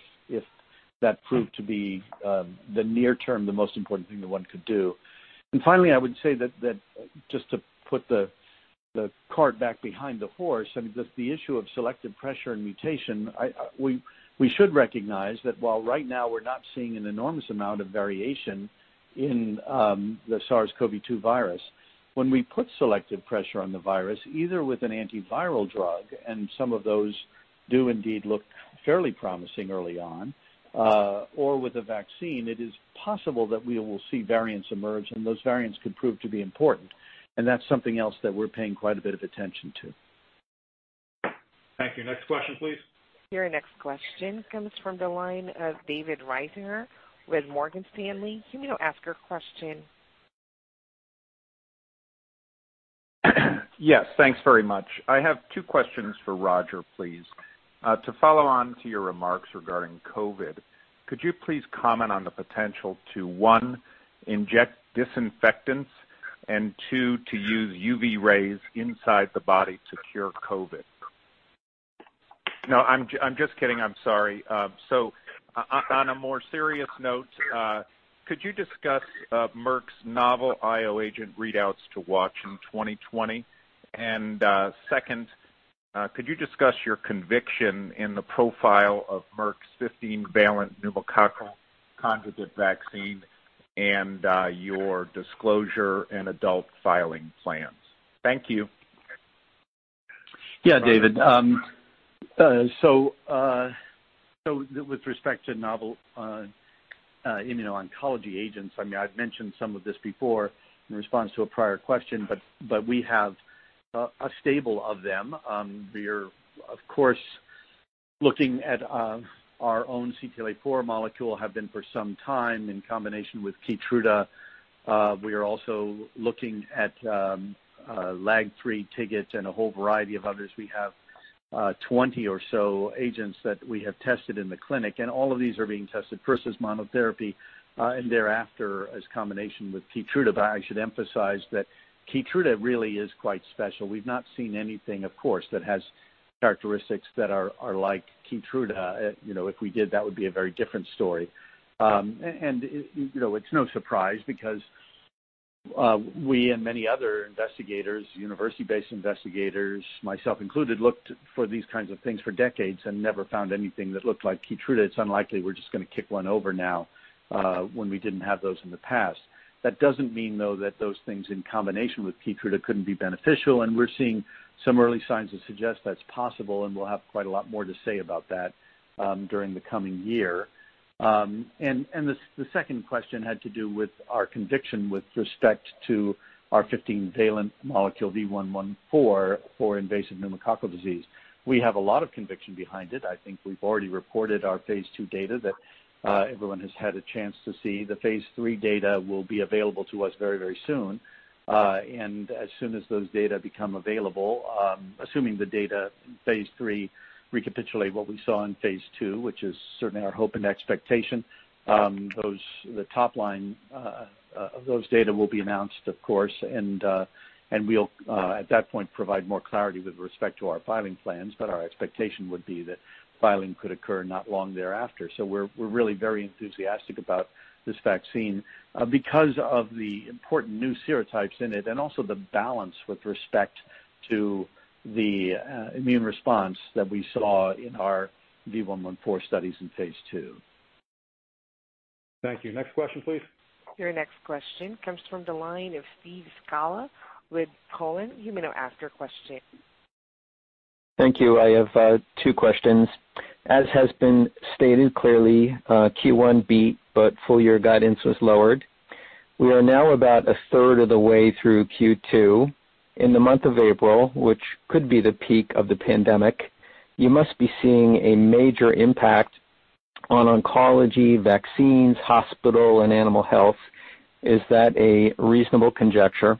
that proved to be, the near term, the most important thing that one could do. Finally, I would say that just to put the cart back behind the horse, I mean, just the issue of selective pressure and mutation, we should recognize that while right now we're not seeing an enormous amount of variation in the SARS-CoV-2 virus, when we put selective pressure on the virus, either with an antiviral drug, and some of those do indeed look fairly promising early on, or with a vaccine, it is possible that we will see variants emerge, and those variants could prove to be important. That's something else that we're paying quite a bit of attention to. Thank you. Next question, please. Your next question comes from the line of David Risinger with Morgan Stanley. You may now ask your question. Yes, thanks very much. I have two questions for Roger, please. To follow on to your remarks regarding COVID, could you please comment on the potential to, one, inject disinfectants, and two, to use UV rays inside the body to cure COVID? No, I'm just kidding, I'm sorry. On a more serious note, could you discuss Merck's novel IO agent readouts to watch in 2020? Second, could you discuss your conviction in the profile of Merck's 15-valent pneumococcal conjugate vaccine and your disclosure and adult filing plans? Thank you. Yeah, David. With respect to novel immuno-oncology agents, I've mentioned some of this before in response to a prior question, we have a stable of them. We're, of course, looking at our own CTLA-4 molecule, have been for some time, in combination with Keytruda. We are also looking at LAG-3, TIGIT, and a whole variety of others. We have 20 or so agents that we have tested in the clinic, all of these are being tested first as monotherapy, and thereafter as combination with Keytruda. I should emphasize that Keytruda really is quite special. We've not seen anything, of course, that has characteristics that are like Keytruda. If we did, that would be a very different story. It's no surprise because we and many other investigators, university-based investigators, myself included, looked for these kinds of things for decades and never found anything that looked like Keytruda. It's unlikely we're just going to kick one over now, when we didn't have those in the past. That doesn't mean, though, that those things in combination with Keytruda couldn't be beneficial, and we're seeing some early signs that suggest that's possible, and we'll have quite a lot more to say about that during the coming year. The second question had to do with our conviction with respect to our 15-valent molecule V114 for invasive pneumococcal disease. We have a lot of conviction behind it. I think we've already reported our phase II data that everyone has had a chance to see. The phase III data will be available to us very soon. As soon as those data become available, assuming the data, phase III recapitulate what we saw in phase II, which is certainly our hope and expectation, the top line of those data will be announced, of course, and we'll at that point provide more clarity with respect to our filing plans. Our expectation would be that filing could occur not long thereafter. We're really very enthusiastic about this vaccine because of the important new serotypes in it and also the balance with respect to the immune response that we saw in our V114 studies in phase II. Thank you. Next question, please. Your next question comes from the line of Steve Scala with Cowen. You may now ask your question. Thank you. I have two questions. As has been stated clearly, Q1 beat, but full-year guidance was lowered. We are now about a third of the way through Q2. In the month of April, which could be the peak of the pandemic, you must be seeing a major impact on oncology, vaccines, hospital, and animal health. Is that a reasonable conjecture?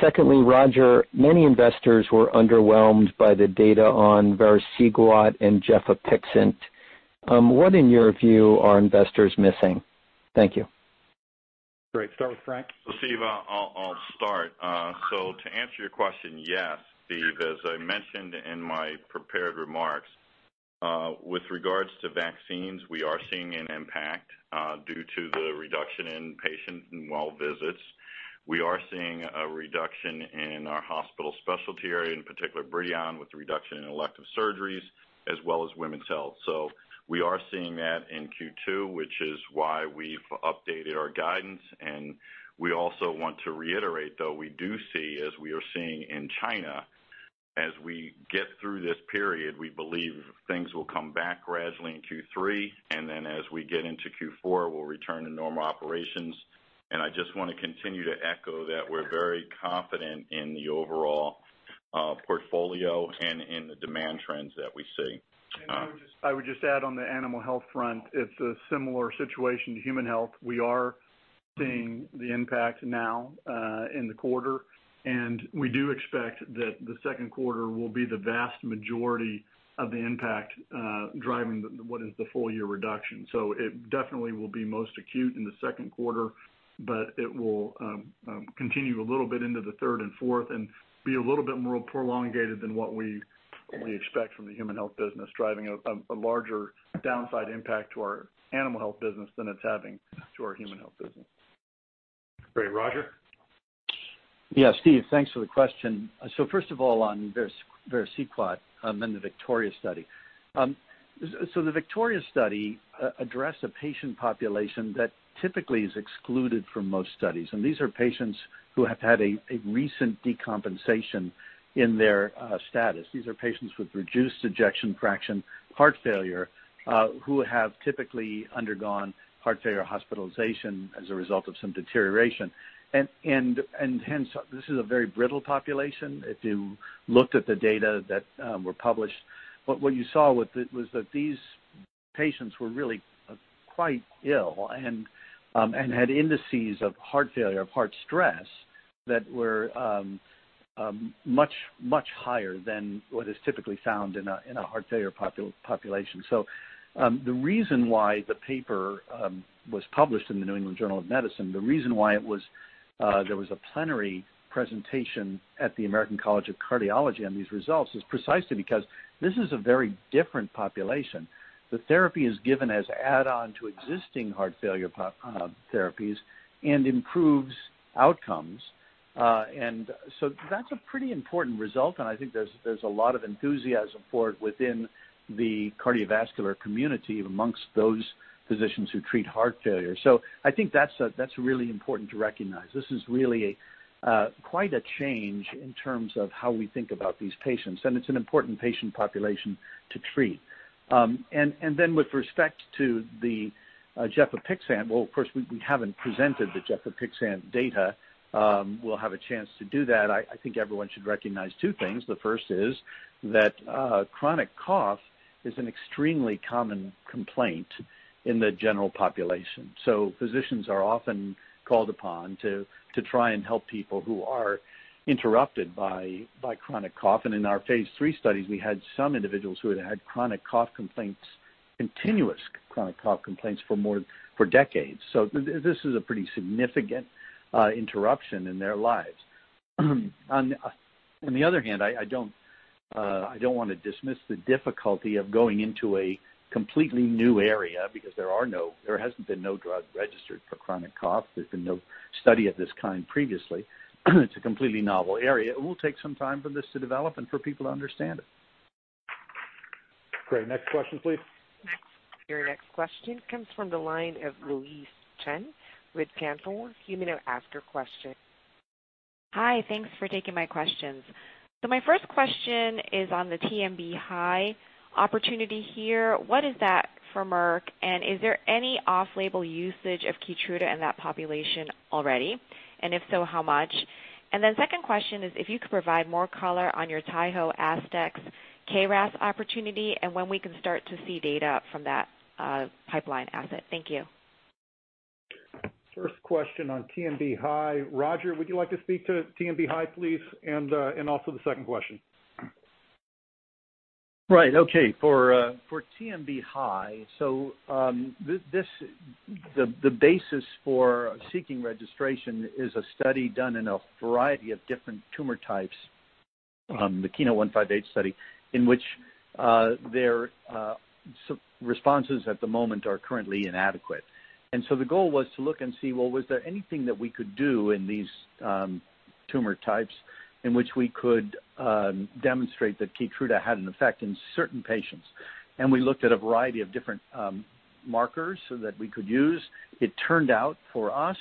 Secondly, Roger, many investors were underwhelmed by the data on vericiguat and gefapixant. What, in your view, are investors missing? Thank you. Great. Start with Frank. Steve, I'll start. To answer your question, yes, Steve, as I mentioned in my prepared remarks, with regards to vaccines, we are seeing an impact due to the reduction in patient and well visits. We are seeing a reduction in our hospital specialty area, in particular, Bridion, with the reduction in elective surgeries as well as women's health. We are seeing that in Q2. This is why we've updated our guidance, and we also want to reiterate, though, we do see as we are seeing in China, as we get through this period, we believe things will come back gradually in Q3, and as we get into Q4, we'll return to normal operations. I just want to continue to echo that we're very confident in the overall portfolio and in the demand trends that we see. I would just add on the animal health front, it's a similar situation to human health. We are seeing the impact now, in the quarter, and we do expect that the second quarter will be the vast majority of the impact, driving what is the full-year reduction. It definitely will be most acute in the second quarter, but it will continue a little bit into the third and fourth and be a little bit more prolonged than what we expect from the human health business, driving a larger downside impact to our Animal Health business than it's having to our human health business. Great, Roger? Yeah, Steve, thanks for the question. First of all, on vericiguat and the VICTORIA study. The VICTORIA study addressed a patient population that typically is excluded from most studies, and these are patients who have had a recent decompensation in their status. These are patients with reduced ejection fraction, heart failure, who have typically undergone heart failure hospitalization as a result of some deterioration. Hence, this is a very brittle population if you looked at the data that were published. What you saw was that these patients were really quite ill and had indices of heart failure, of heart stress that were much higher than what is typically found in a heart failure population. The reason why the paper was published in The New England Journal of Medicine, the reason why there was a plenary presentation at the American College of Cardiology on these results is precisely because this is a very different population. The therapy is given as add-on to existing heart failure therapies and improves outcomes. That's a pretty important result, and I think there's a lot of enthusiasm for it within the cardiovascular community amongst those physicians who treat heart failure. I think that's really important to recognize. This is really quite a change in terms of how we think about these patients, and it's an important patient population to treat. With respect to the gefapixant, well, of course, we haven't presented the gefapixant data. We'll have a chance to do that. I think everyone should recognize two things. The first is that chronic cough is an extremely common complaint in the general population. Physicians are often called upon to try and help people who are interrupted by chronic cough. In our phase III studies, we had some individuals who had had chronic cough complaints, continuous chronic cough complaints for decades. This is a pretty significant interruption in their lives. On the other hand, I don't want to dismiss the difficulty of going into a completely new area because there hasn't been no drug registered for chronic cough. There's been no study of this kind previously. It's a completely novel area. It will take some time for this to develop and for people to understand it. Great. Next question, please. Your next question comes from the line of Louise Chen with Cantor. You may now ask your question. Hi. Thanks for taking my questions. My first question is on the TMB-H opportunity here. What is that for Merck, and is there any off-label usage of Keytruda in that population already, and if so, how much? Second question is if you could provide more color on your Taiho/Astex KRAS opportunity and when we can start to see data from that pipeline asset. Thank you. First question on TMB-H. Roger, would you like to speak to TMB-H, please, and also the second question? Right. Okay. For TMB-H, the basis for seeking registration is a study done in a variety of different tumor types, the KEYNOTE-158 study, in which their responses at the moment are currently inadequate. The goal was to look and see, well, was there anything that we could do in these tumor types in which we could demonstrate that Keytruda had an effect in certain patients? We looked at a variety of different markers that we could use. It turned out for us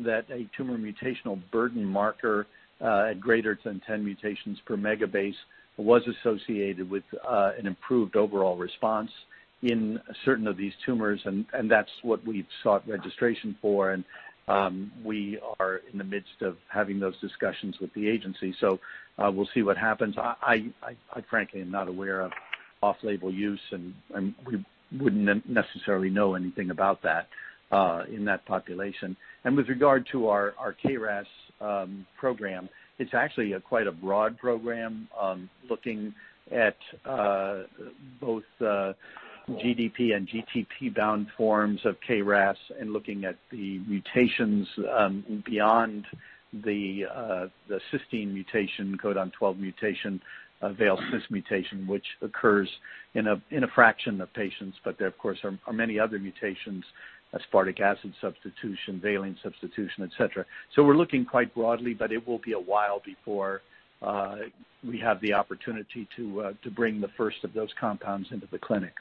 that a tumor mutational burden marker at greater than 10 mutations per megabase was associated with an improved overall response in certain of these tumors, and that's what we've sought registration for. We are in the midst of having those discussions with the agency, we'll see what happens. I frankly am not aware of off-label use. We wouldn't necessarily know anything about that in that population. With regard to our KRAS program, it's actually quite a broad program looking at both GDP and GTP-bound forms of KRAS and looking at the mutations beyond the cysteine mutation, codon 12 mutation, veiled cyst mutation, which occurs in a fraction of patients. There, of course, are many other mutations, aspartic acid substitution, valine substitution, et cetera. We're looking quite broadly, but it will be a while before we have the opportunity to bring the first of those compounds into the clinic.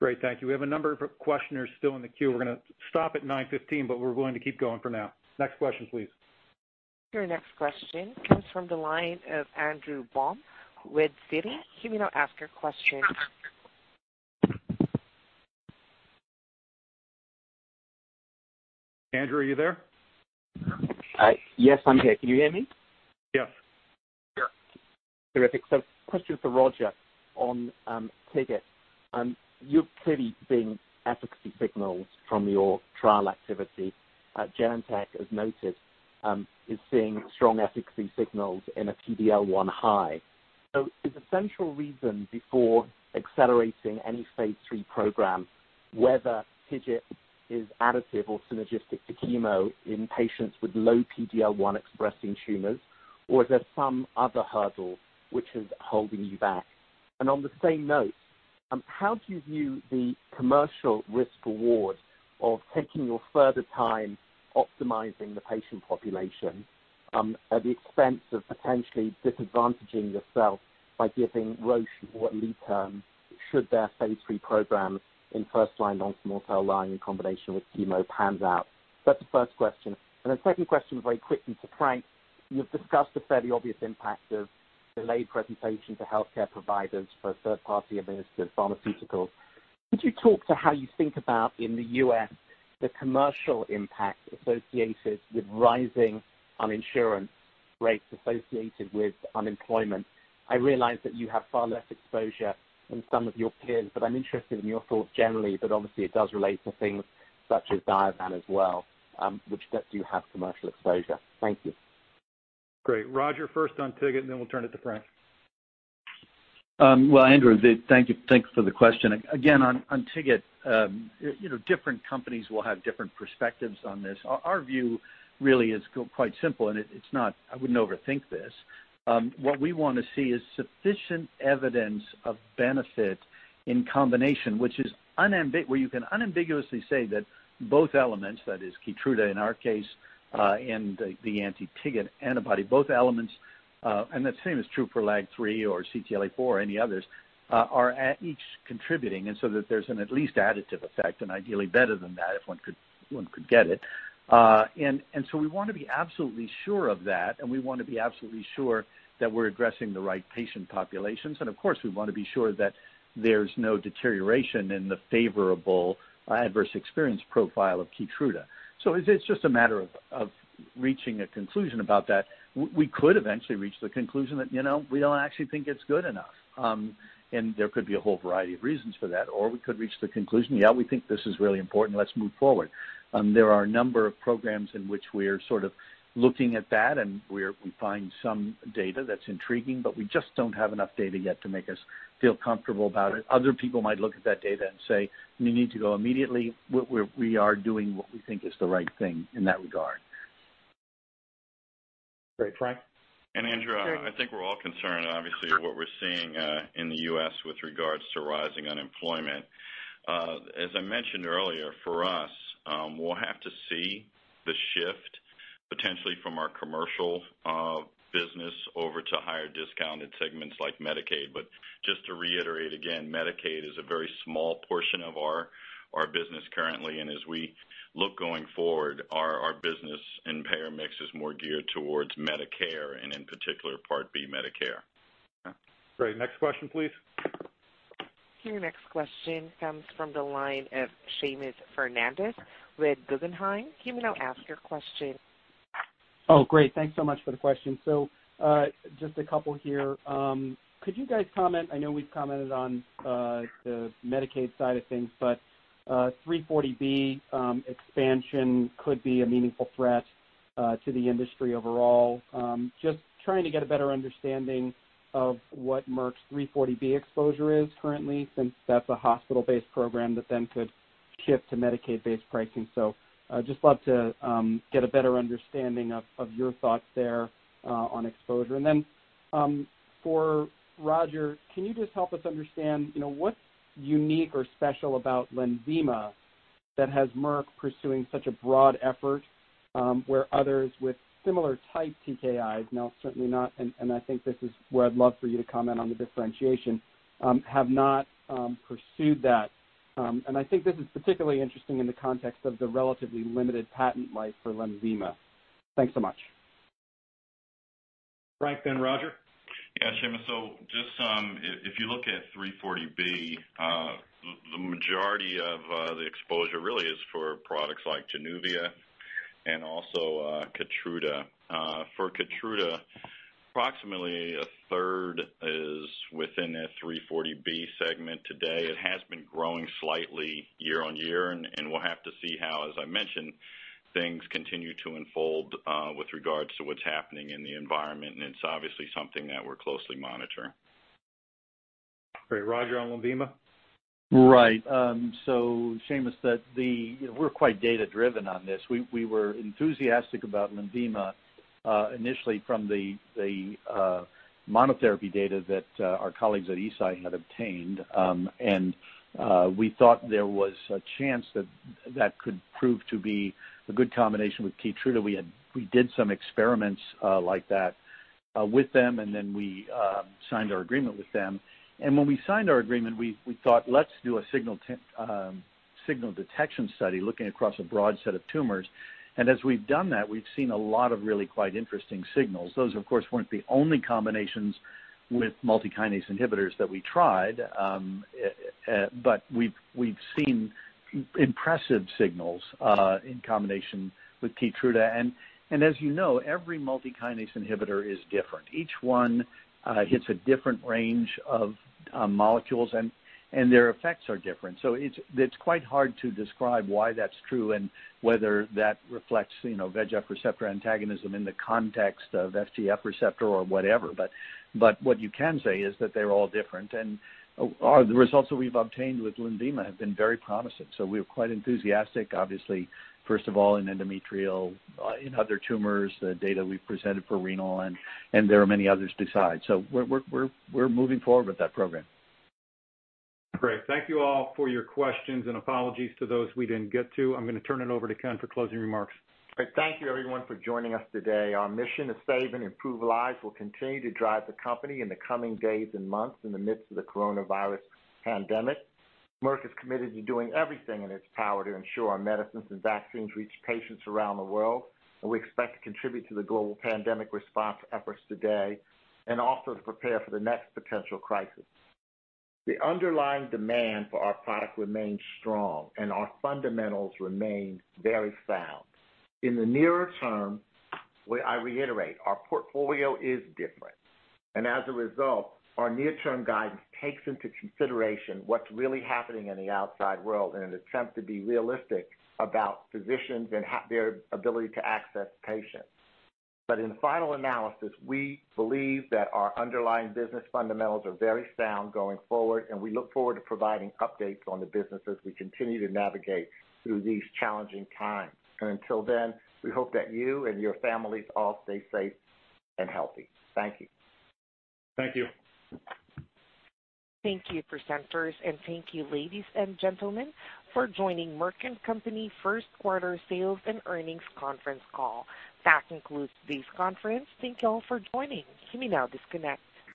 Great. Thank you. We have a number of questioners still in the queue. We're going to stop at 9:15 A.M., but we're willing to keep going for now. Next question, please. Your next question comes from the line of Andrew Baum with Citi. You may now ask your question. Andrew, are you there? Yes, I'm here. Can you hear me? Yes. Terrific. Question for Roger on TIGIT. You're clearly seeing efficacy signals from your trial activity. Genentech has noted it's seeing strong efficacy signals in a PD-L1 high. Is the central reason before accelerating any phase III program, whether TIGIT is additive or synergistic to chemo in patients with low PD-L1 expressing tumors, or is there some other hurdle which is holding you back? On the same note, how do you view the commercial risk-reward of taking your further time optimizing the patient population, at the expense of potentially disadvantaging yourself by giving Roche more lead term should their phase III program in first-line non-small cell lung in combination with chemo pans out? That's the first question. The second question very quickly to Frank, you've discussed the fairly obvious impact of delayed presentation for healthcare providers for third-party administered pharmaceuticals. Could you talk to how you think about in the U.S. the commercial impact associated with rising uninsurance rates associated with unemployment? I realize that you have far less exposure than some of your peers, but I'm interested in your thoughts generally, but obviously it does relate to things such as Diovan as well, which does have commercial exposure. Thank you. Great. Roger, first on TIGIT, and then we'll turn it to Frank. Well, Andrew, thank you for the question. Again, on TIGIT, different companies will have different perspectives on this. Our view really is quite simple, and I wouldn't overthink this. What we want to see is sufficient evidence of benefit in combination, where you can unambiguously say that both elements, that is Keytruda in our case, and the anti-TIGIT antibody, both elements, and the same is true for LAG-3 or CTLA-4 or any others, are at each contributing and so that there's an at least additive effect and ideally better than that if one could get it. We want to be absolutely sure of that, and we want to be absolutely sure that we're addressing the right patient populations. Of course, we want to be sure that there's no deterioration in the favorable adverse experience profile of Keytruda. It's just a matter of reaching a conclusion about that. We could eventually reach the conclusion that we don't actually think it's good enough. There could be a whole variety of reasons for that, or we could reach the conclusion, yeah, we think this is really important. Let's move forward. There are a number of programs in which we're sort of looking at that, and we find some data that's intriguing, but we just don't have enough data yet to make us feel comfortable about it. Other people might look at that data and say, "You need to go immediately." We are doing what we think is the right thing in that regard. Great, Frank? Andrew, I think we're all concerned, obviously, what we're seeing in the U.S. with regards to rising unemployment. As I mentioned earlier, for us, we'll have to see the shift potentially from our commercial business over to higher discounted segments like Medicaid. Just to reiterate again, Medicaid is a very small portion of our business currently, and as we look going forward, our business and payer mix is more geared towards Medicare, and in particular Part B Medicare. Great. Next question, please. Your next question comes from the line of Seamus Fernandez with Guggenheim. You may now ask your question. Great. Thanks so much for the question. Just a couple here. Could you guys comment, I know we've commented on the Medicaid side of things, 340B expansion could be a meaningful threat to the industry overall. Just trying to get a better understanding of what Merck's 340B exposure is currently, since that's a hospital-based program that then could shift to Medicaid-based pricing. Just love to get a better understanding of your thoughts there on exposure. For Roger, can you just help us understand what's unique or special about Lenvima that has Merck pursuing such a broad effort, where others with similar type TKIs, now certainly not, and I think this is where I'd love for you to comment on the differentiation, have not pursued that. I think this is particularly interesting in the context of the relatively limited patent life for Lenvima. Thanks so much. Frank, then Roger. Yeah. Seamus, just if you look at 340B, the majority of the exposure really is for products like Januvia and also Keytruda. For Keytruda, approximately 1/3 is within that 340B segment today. It has been growing slightly year-over-year, and we'll have to see how, as I mentioned, things continue to unfold with regards to what's happening in the environment, and it's obviously something that we're closely monitoring. Great. Roger on Lenvima? Right. Seamus, we're quite data-driven on this. We were enthusiastic about Lenvima initially from the monotherapy data that our colleagues at Eisai had obtained. We thought there was a chance that that could prove to be a good combination with Keytruda. We did some experiments like that with them. We signed our agreement with them. When we signed our agreement, we thought, "Let's do a signal detection study looking across a broad set of tumors." As we've done that, we've seen a lot of really quite interesting signals. Those, of course, weren't the only combinations with multikinase inhibitors that we tried. We've seen impressive signals in combination with Keytruda. As you know, every multikinase inhibitor is different. Each one hits a different range of molecules, and their effects are different. It's quite hard to describe why that's true and whether that reflects VEGF receptor antagonism in the context of FGF receptor or whatever. What you can say is that they're all different, and the results that we've obtained with Lenvima have been very promising. We're quite enthusiastic, obviously, first of all, in endometrial, in other tumors, the data we've presented for renal, and there are many others besides. We're moving forward with that program. Great. Thank you all for your questions, and apologies to those we didn't get to. I'm going to turn it over to Ken for closing remarks. Great. Thank you, everyone, for joining us today. Our mission to save and improve lives will continue to drive the company in the coming days and months in the midst of the coronavirus pandemic. Merck is committed to doing everything in its power to ensure our medicines and vaccines reach patients around the world, and we expect to contribute to the global pandemic response efforts today, and also to prepare for the next potential crisis. The underlying demand for our product remains strong, and our fundamentals remain very sound. In the nearer term, I reiterate, our portfolio is different, and as a result, our near-term guidance takes into consideration what's really happening in the outside world in an attempt to be realistic about physicians and their ability to access patients. In the final analysis, we believe that our underlying business fundamentals are very sound going forward, and we look forward to providing updates on the business as we continue to navigate through these challenging times. Until then, we hope that you and your families all stay safe and healthy. Thank you. Thank you. Thank you, presenters, and thank you, ladies and gentlemen, for joining Merck & Co.'s first quarter sales and earnings conference call. That concludes this conference. Thank you all for joining. You may now disconnect.